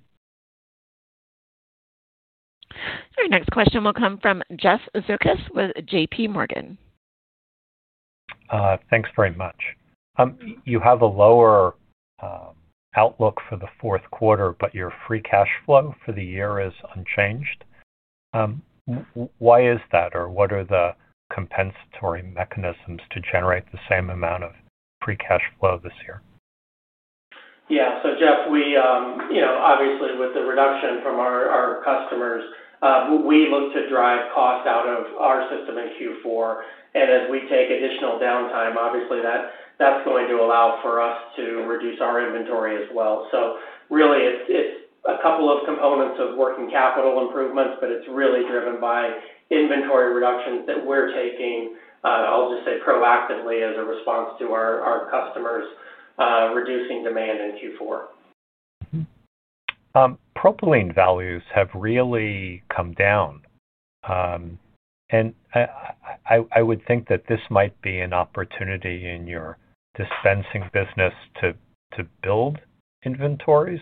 A: Our next question will come from Jeff Zekauskas with JPMorgan.
K: Thanks very much. You have a lower outlook for the fourth quarter, but your free cash flow for the year is unchanged. Why is that, or what are the compensatory mechanisms to generate the same amount of free cash flow this year?
C: Yeah. Jeff, we, obviously, with the reduction from our customers, we look to drive cost out of our system in Q4. As we take additional downtime, obviously, that's going to allow for us to reduce our inventory as well. Really, it's a couple of components of working capital improvements, but it's really driven by inventory reductions that we're taking, I'll just say proactively as a response to our customers reducing demand in Q4.
K: Propylene values have really come down. I would think that this might be an opportunity in your dispensing business to build inventories.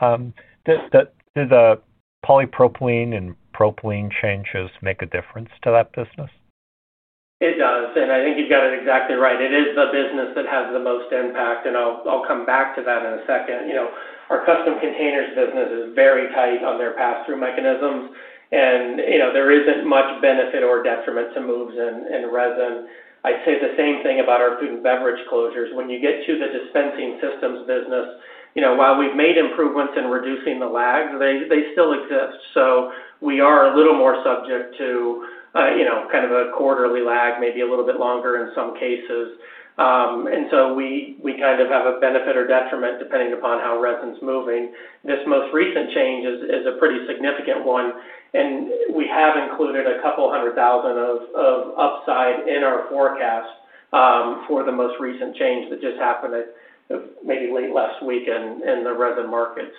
K: Do the polypropylene and propylene changes make a difference to that business?
C: It does. I think you've got it exactly right. It is the business that has the most impact. I'll come back to that in a second. Our Custom Containers business is very tight on their pass-through mechanisms, and there isn't much benefit or detriment to moves in resin. I'd say the same thing about our food and beverage closures. When you get to the Dispensing and Specialty Closures business, while we've made improvements in reducing the lags, they still exist. We are a little more subject to kind of a quarterly lag, maybe a little bit longer in some cases, and we kind of have a benefit or detriment depending upon how resin's moving. This most recent change is a pretty significant one. We have included a couple hundred thousand dollars of upside in our forecast for the most recent change that just happened at maybe late last week in the resin market.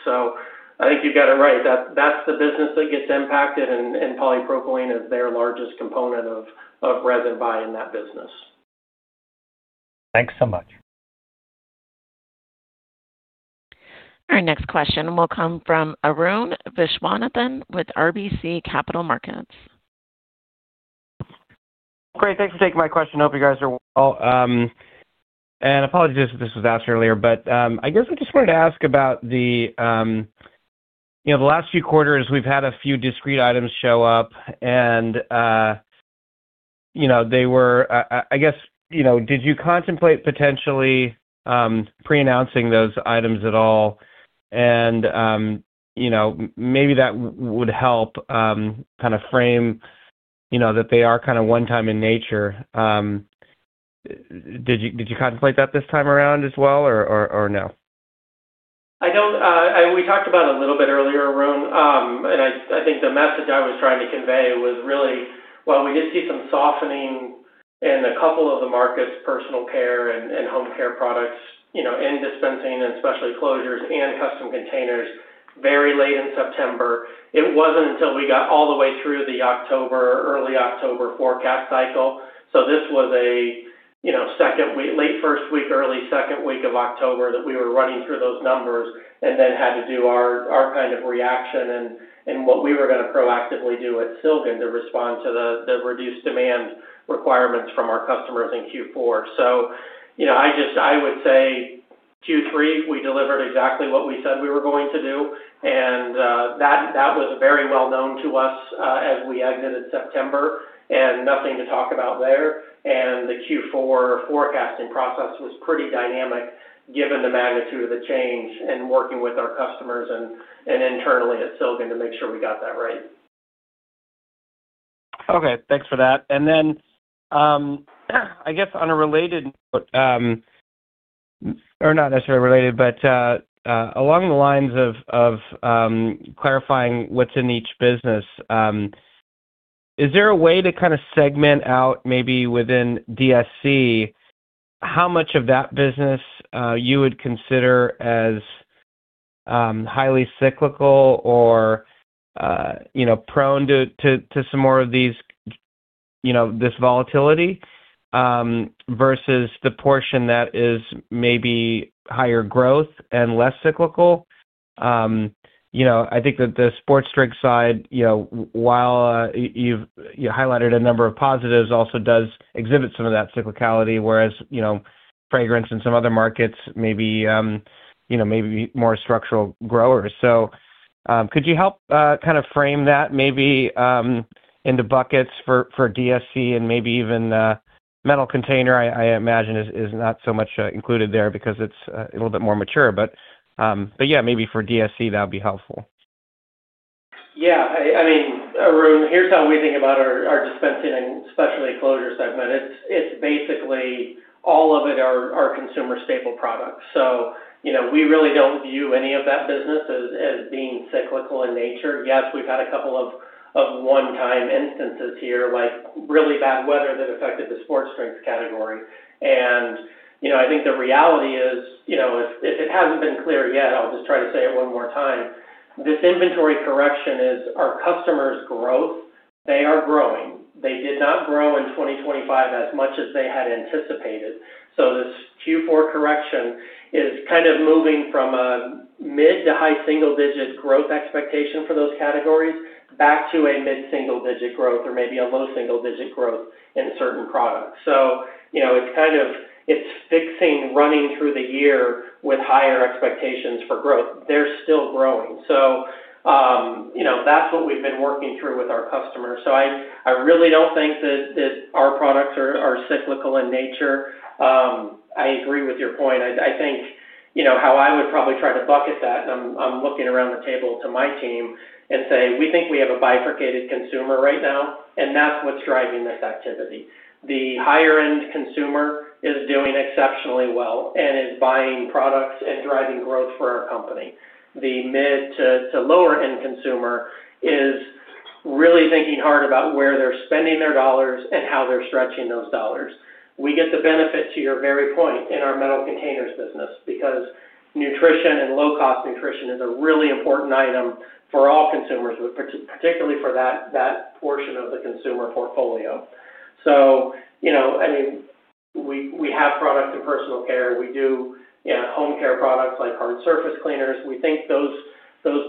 C: I think you've got it right. That's the business that gets impacted, and polypropylene is their largest component of resin buy in that business.
K: Thanks so much.
A: Our next question will come from Arun Viswanathan with RBC Capital Markets.
L: Great. Thanks for taking my question. Hope you guys are well. I apologize if this was asked earlier, but I just wanted to ask about the last few quarters. We've had a few discrete items show up, and did you contemplate potentially pre-announcing those items at all? Maybe that would help frame that they are kind of one-time in nature. Did you contemplate that this time around as well, or no?
C: I don't. We talked about it a little bit earlier, Arun. I think the message I was trying to convey was really, while we did see some softening in a couple of the markets, personal care and home care products, you know, in Dispensing and Specialty Closures and Custom Containers very late in September, it wasn't until we got all the way through the October, early October forecast cycle. This was a, you know, second week, late first week, early second week of October that we were running through those numbers and then had to do our kind of reaction and what we were going to proactively do at Silgan to respond to the reduced demand requirements from our customers in Q4. I would say Q3, we delivered exactly what we said we were going to do. That was very well known to us as we exited September, and nothing to talk about there. The Q4 forecasting process was pretty dynamic given the magnitude of the change and working with our customers and internally at Silgan to make sure we got that right.
L: Okay. Thanks for that. I guess on a related note, or not necessarily related, but along the lines of clarifying what's in each business, is there a way to kind of segment out maybe within DSC how much of that business you would consider as highly cyclical or prone to some more of this volatility versus the portion that is maybe higher growth and less cyclical? I think that the sports drink side, while you've highlighted a number of positives, also does exhibit some of that cyclicality, whereas fragrance and some other markets maybe are more structural growers. Could you help kind of frame that maybe into buckets for DSC and maybe even Metal Containers? I imagine Metal Containers is not so much included there because it's a little bit more mature. For DSC, that would be helpful.
C: Yeah. I mean, Arun, here's how we think about our dispensing and specialty closure segment. It's basically all of it are our consumer staple products. We really don't view any of that business as being cyclical in nature. Yes, we've had a couple of one-time instances here, like really bad weather that affected the sports drinks category. I think the reality is, if it hasn't been clear yet, I'll just try to say it one more time. This inventory correction is our customers' growth. They are growing. They did not grow in 2025 as much as they had anticipated. This Q4 correction is kind of moving from a mid to high single-digit growth expectation for those categories back to a mid-single-digit growth or maybe a low single-digit growth in certain products. It's fixing running through the year with higher expectations for growth. They're still growing. That's what we've been working through with our customers. I really don't think that our products are cyclical in nature. I agree with your point. I think how I would probably try to bucket that, and I'm looking around the table to my team and say, we think we have a bifurcated consumer right now, and that's what's driving this activity. The higher-end consumer is doing exceptionally well and is buying products and driving growth for our company. The mid to lower-end consumer is really thinking hard about where they're spending their dollars and how they're stretching those dollars. We get the benefit to your very point in our metal containers business because nutrition and low-cost nutrition is a really important item for all consumers, but particularly for that portion of the consumer portfolio. We have product in personal care. We do home care products like hard surface cleaners. We think those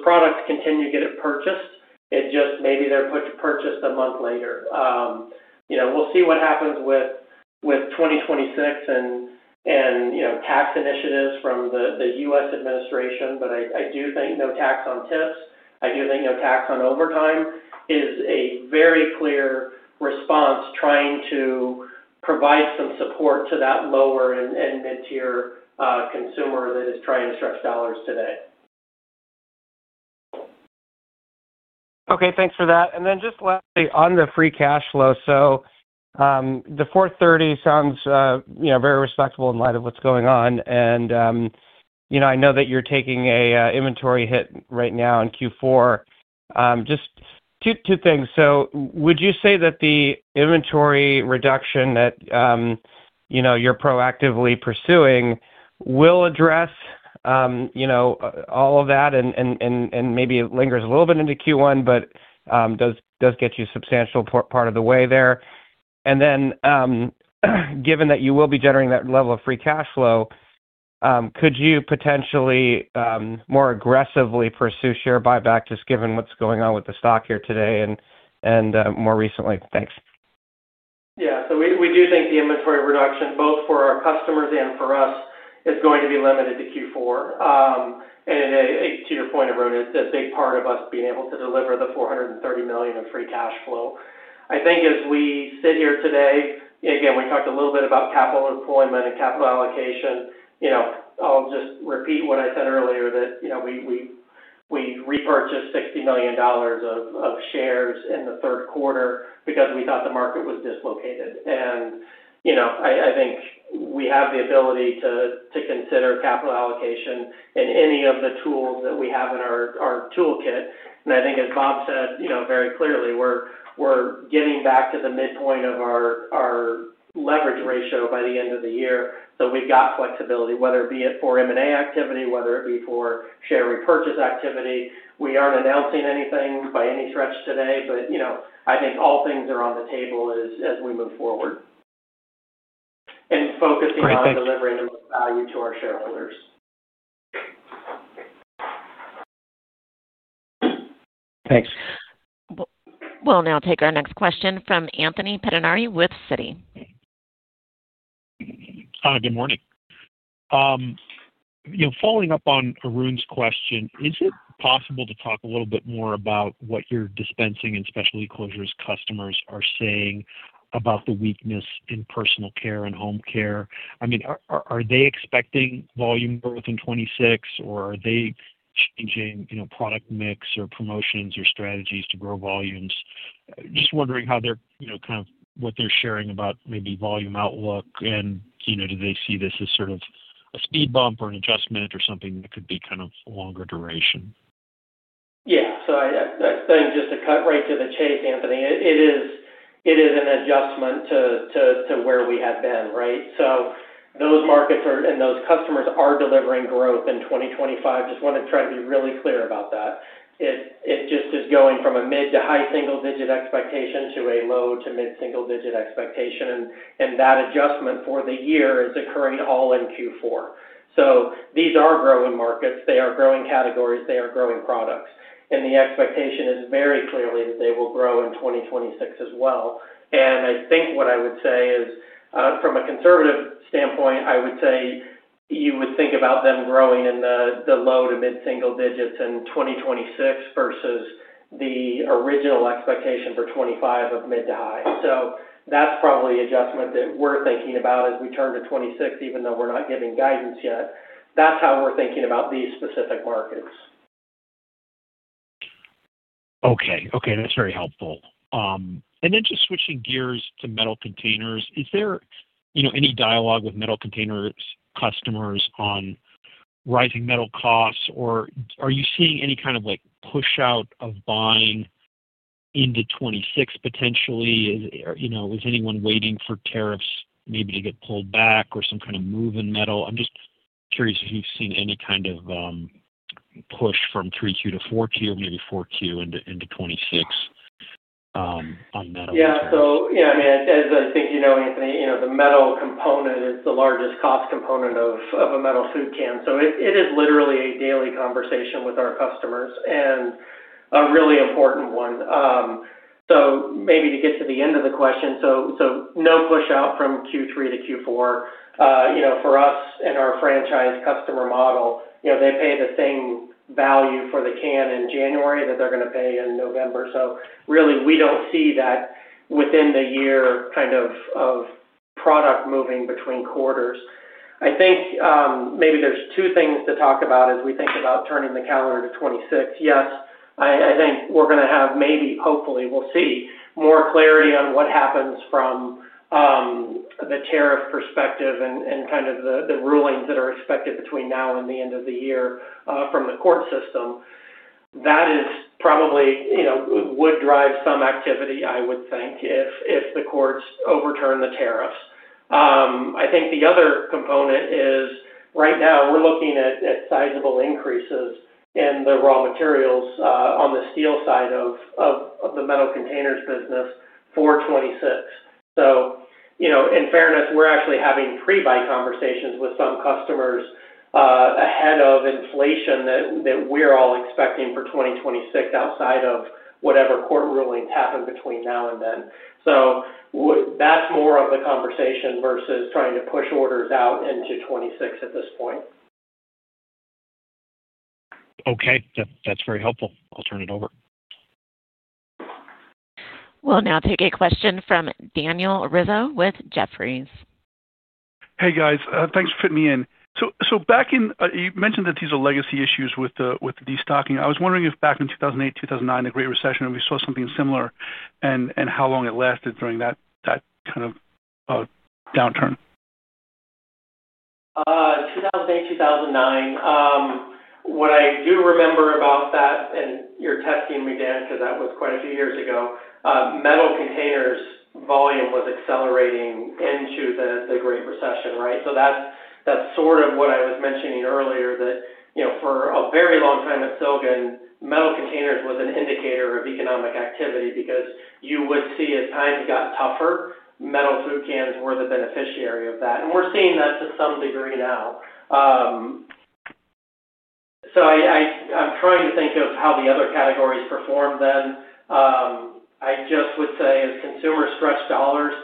C: products continue to get purchased. It just maybe they're purchased a month later. We'll see what happens with 2026 and tax initiatives from the U.S. administration. I do think no tax on tips, I do think no tax on overtime is a very clear response trying to provide some support to that lower and mid-tier consumer that is trying to stretch dollars today.
L: Okay. Thanks for that. Lastly, on the free cash flow, the $430 million sounds, you know, very respectable in light of what's going on. I know that you're taking an inventory hit right now in Q4. Two things. Would you say that the inventory reduction that you're proactively pursuing will address all of that and maybe it lingers a little bit into Q1, but does get you a substantial part of the way there? Given that you will be generating that level of free cash flow, could you potentially more aggressively pursue share buyback just given what's going on with the stock here today and more recently? Thanks.
C: Yeah. We do think the inventory reduction, both for our customers and for us, is going to be limited to Q4, and it, to your point, Arun, is a big part of us being able to deliver the $430 million of free cash flow. I think as we sit here today, again, we talked a little bit about capital deployment and capital allocation. I'll just repeat what I said earlier, that we repurchased $60 million of shares in the third quarter because we thought the market was dislocated. I think we have the ability to consider capital allocation in any of the tools that we have in our toolkit. As Bob said very clearly, we're getting back to the midpoint of our leverage ratio by the end of the year. We've got flexibility, whether it be for M&A activity or for share repurchase activity. We aren't announcing anything by any stretch today, but I think all things are on the table as we move forward and focus on delivering the most value to our shareholders.
L: Thanks.
A: We'll now take our next question from Anthony Pettinari with Citi.
M: Good morning. Following up on Arun's question, is it possible to talk a little bit more about what your Dispensing and Specialty Closures customers are saying about the weakness in personal care and home care? Are they expecting volume growth in 2026, or are they changing product mix or promotions or strategies to grow volumes? Just wondering how they're, kind of what they're sharing about maybe volume outlook, and do they see this as sort of a speed bump or an adjustment or something that could be kind of longer duration?
C: Yeah. I think just to cut right to the chase, Anthony, it is an adjustment to where we have been, right? Those markets are and those customers are delivering growth in 2025. I just want to try to be really clear about that. It is just going from a mid to high single-digit expectation to a low to mid-single-digit expectation. That adjustment for the year is occurring all in Q4. These are growing markets. They are growing categories. They are growing products. The expectation is very clearly that they will grow in 2026 as well. I think what I would say is, from a conservative standpoint, you would think about them growing in the low to mid-single digits in 2026 versus the original expectation for 2025 of mid to high. That is probably the adjustment that we're thinking about as we turn to 2026, even though we're not giving guidance yet. That's how we're thinking about these specific markets.
M: Okay. That's very helpful. Just switching gears to metal containers, is there any dialogue with metal containers customers on rising metal costs, or are you seeing any kind of push-out of buying into 2026 potentially? Is anyone waiting for tariffs maybe to get pulled back or some kind of move in metal? I'm just curious if you've seen any kind of push from 3Q to 4Q or maybe 4Q into 2026 on metal.
C: Yeah. As I think you know, Anthony, the metal component is the largest cost component of a metal food can. It is literally a daily conversation with our customers and a really important one. Maybe to get to the end of the question, no push-out from Q3 to Q4. For us and our franchise customer model, they pay the same value for the can in January that they're going to pay in November. We don't see that within the year, kind of product moving between quarters. I think maybe there are two things to talk about as we think about turning the calendar to 2026. Yes, I think we're going to have maybe, hopefully, we'll see more clarity on what happens from the tariff perspective and the rulings that are expected between now and the end of the year from the court system. That is probably what would drive some activity, I would think, if the courts overturn the tariffs. I think the other component is right now we're looking at sizable increases in the raw materials on the steel side of the metal containers business for 2026. In fairness, we're actually having pre-buy conversations with some customers ahead of inflation that we're all expecting for 2026 outside of whatever court rulings happen between now and then. That's more of the conversation versus trying to push orders out into 2026 at this point.
M: Okay, that's very helpful. I'll turn it over.
A: We'll now take a question from Daniel Rizzo with Jefferies.
N: Hey, guys. Thanks for fitting me in. You mentioned that these are legacy issues with the destocking. I was wondering if back in 2008, 2009, the Great Recession, we saw something similar and how long it lasted during that kind of downturn.
C: 2008, 2009. What I do remember about that, and you're testing me, Dan, because that was quite a few years ago, metal containers volume was accelerating into the Great Recession, right? That's sort of what I was mentioning earlier, that for a very long time at Silgan, metal containers was an indicator of economic activity because you would see as times got tougher, metal food cans were the beneficiary of that. We're seeing that to some degree now. I'm trying to think of how the other categories performed then. I would say as consumers stretch dollars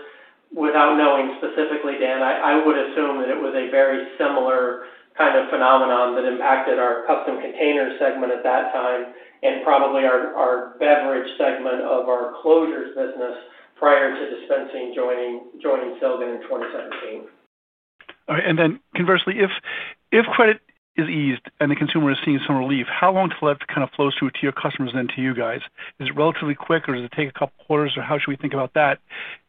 C: without knowing specifically, Dan, I would assume that it was a very similar kind of phenomenon that impacted our Custom Containers segment at that time and probably our beverage segment of our closures business prior to Dispensing joining Silgan in 2017.
N: All right. Conversely, if credit is eased and the consumer is seeing some relief, how long till that kind of flows through to your customers and to you guys? Is it relatively quick, or does it take a couple of quarters, or how should we think about that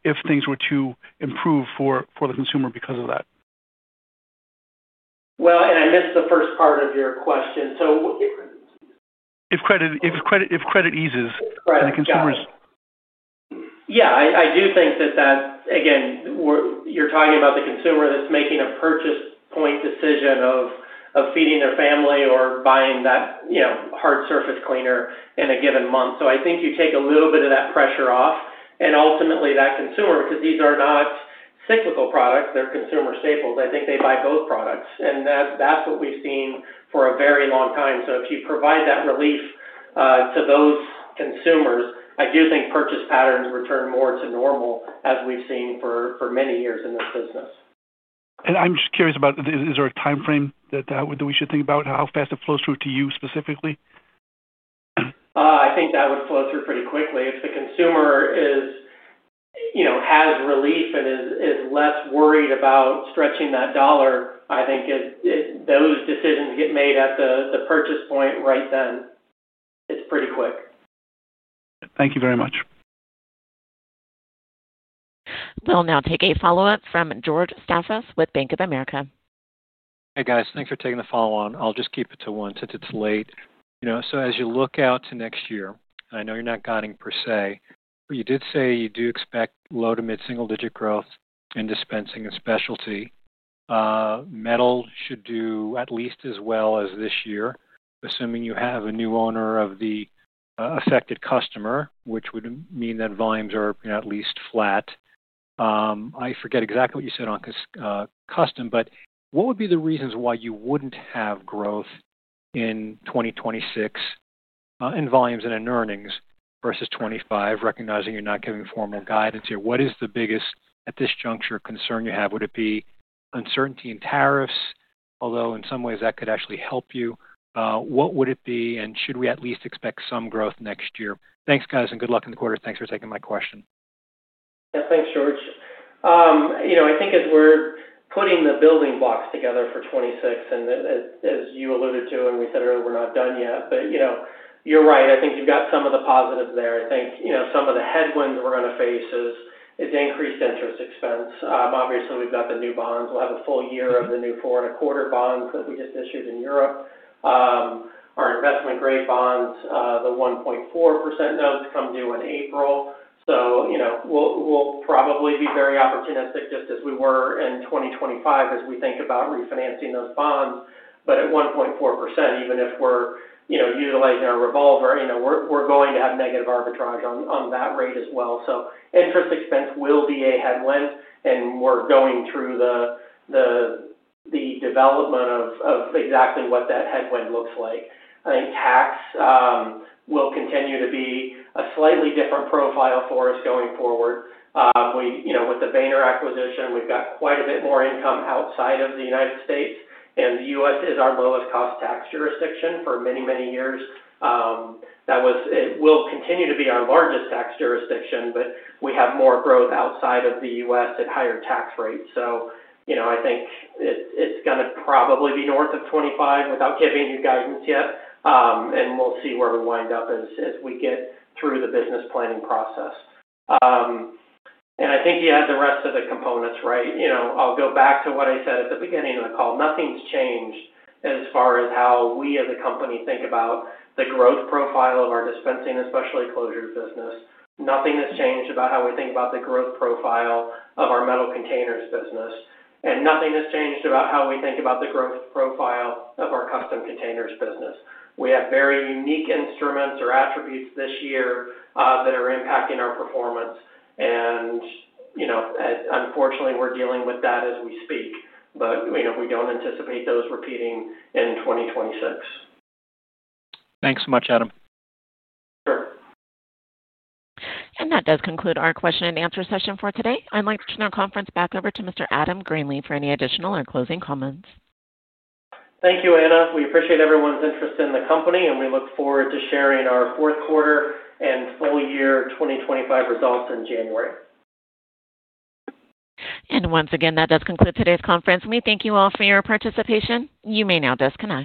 N: if things were to improve for the consumer because of that?
C: I missed the first part of your question. It.
N: If credit eases and the consumer's.
C: Yeah, I do think that, again, you're talking about the consumer that's making a purchase point decision of feeding their family or buying that, you know, hard surface cleaner in a given month. I think you take a little bit of that pressure off. Ultimately, that consumer, because these are not cyclical products, they're consumer staples, I think they buy both products. That's what we've seen for a very long time. If you provide that relief to those consumers, I do think purchase patterns return more to normal as we've seen for many years in this business.
N: Is there a timeframe that we should think about how fast it flows through to you specifically?
C: I think that would flow through pretty quickly. If the consumer has relief and is less worried about stretching that dollar, I think those decisions get made at the purchase point right then. It's pretty quick.
N: Thank you very much.
A: We'll now take a follow-up from George Staphos with Bank of America.
F: Hey, guys. Thanks for taking the follow-on. I'll just keep it to one since it's late. As you look out to next year, and I know you're not guiding per se, but you did say you do expect low to mid-single-digit growth in Dispensing and Specialty. Metal should do at least as well as this year, assuming you have a new owner of the affected customer, which would mean that volumes are at least flat. I forget exactly what you said on Custom Containers, but what would be the reasons why you wouldn't have growth in 2026, in volumes and in earnings versus 2025, recognizing you're not giving formal guidance here? What is the biggest, at this juncture, concern you have? Would it be uncertainty in tariffs, although in some ways that could actually help you? What would it be, and should we at least expect some growth next year? Thanks, guys, and good luck in the quarter. Thanks for taking my question.
C: Yeah, thanks, George. I think as we're putting the building blocks together for 2026, and as you alluded to and we said earlier, we're not done yet, but you're right. I think you've got some of the positives there. I think some of the headwinds we're going to face is increased interest expense. Obviously, we've got the new bonds. We'll have a full year of the new 4.25% bonds that we just issued in Europe. Our investment-grade bonds, the 1.4% notes, come due in April. We'll probably be very opportunistic, just as we were in 2025, as we think about refinancing those bonds. At 1.4%, even if we're utilizing our revolver, we're going to have negative arbitrage on that rate as well. Interest expense will be a headwind, and we're going through the development of exactly what that headwind looks like. I think tax will continue to be a slightly different profile for us going forward. With the Vayner acquisition, we've got quite a bit more income outside of the U.S., and the U.S. is our lowest-cost tax jurisdiction for many, many years. That was, it will continue to be our largest tax jurisdiction, but we have more growth outside of the U.S. at higher tax rates. I think it's going to probably be north of 25%, without giving you guidance yet. We'll see where we wind up as we get through the business planning process. I think you had the rest of the components right. I'll go back to what I said at the beginning of the call. Nothing's changed as far as how we as a company think about the growth profile of our Dispensing and Specialty Closures business. Nothing has changed about how we think about the growth profile of our Metal Containers business. Nothing has changed about how we think about the growth profile of our Custom Containers business. We have very unique instruments or attributes this year that are impacting our performance. Unfortunately, we're dealing with that as we speak. We don't anticipate those repeating in 2026.
F: Thanks so much, Adam.
A: That does conclude our question and answer session for today. I'd like to turn our conference back over to Mr. Adam Greenlee for any additional or closing comments.
C: Thank you, Anna. We appreciate everyone's interest in the company, and we look forward to sharing our fourth quarter and full-year 2025 results in January.
A: That does conclude today's conference. We thank you all for your participation. You may now disconnect.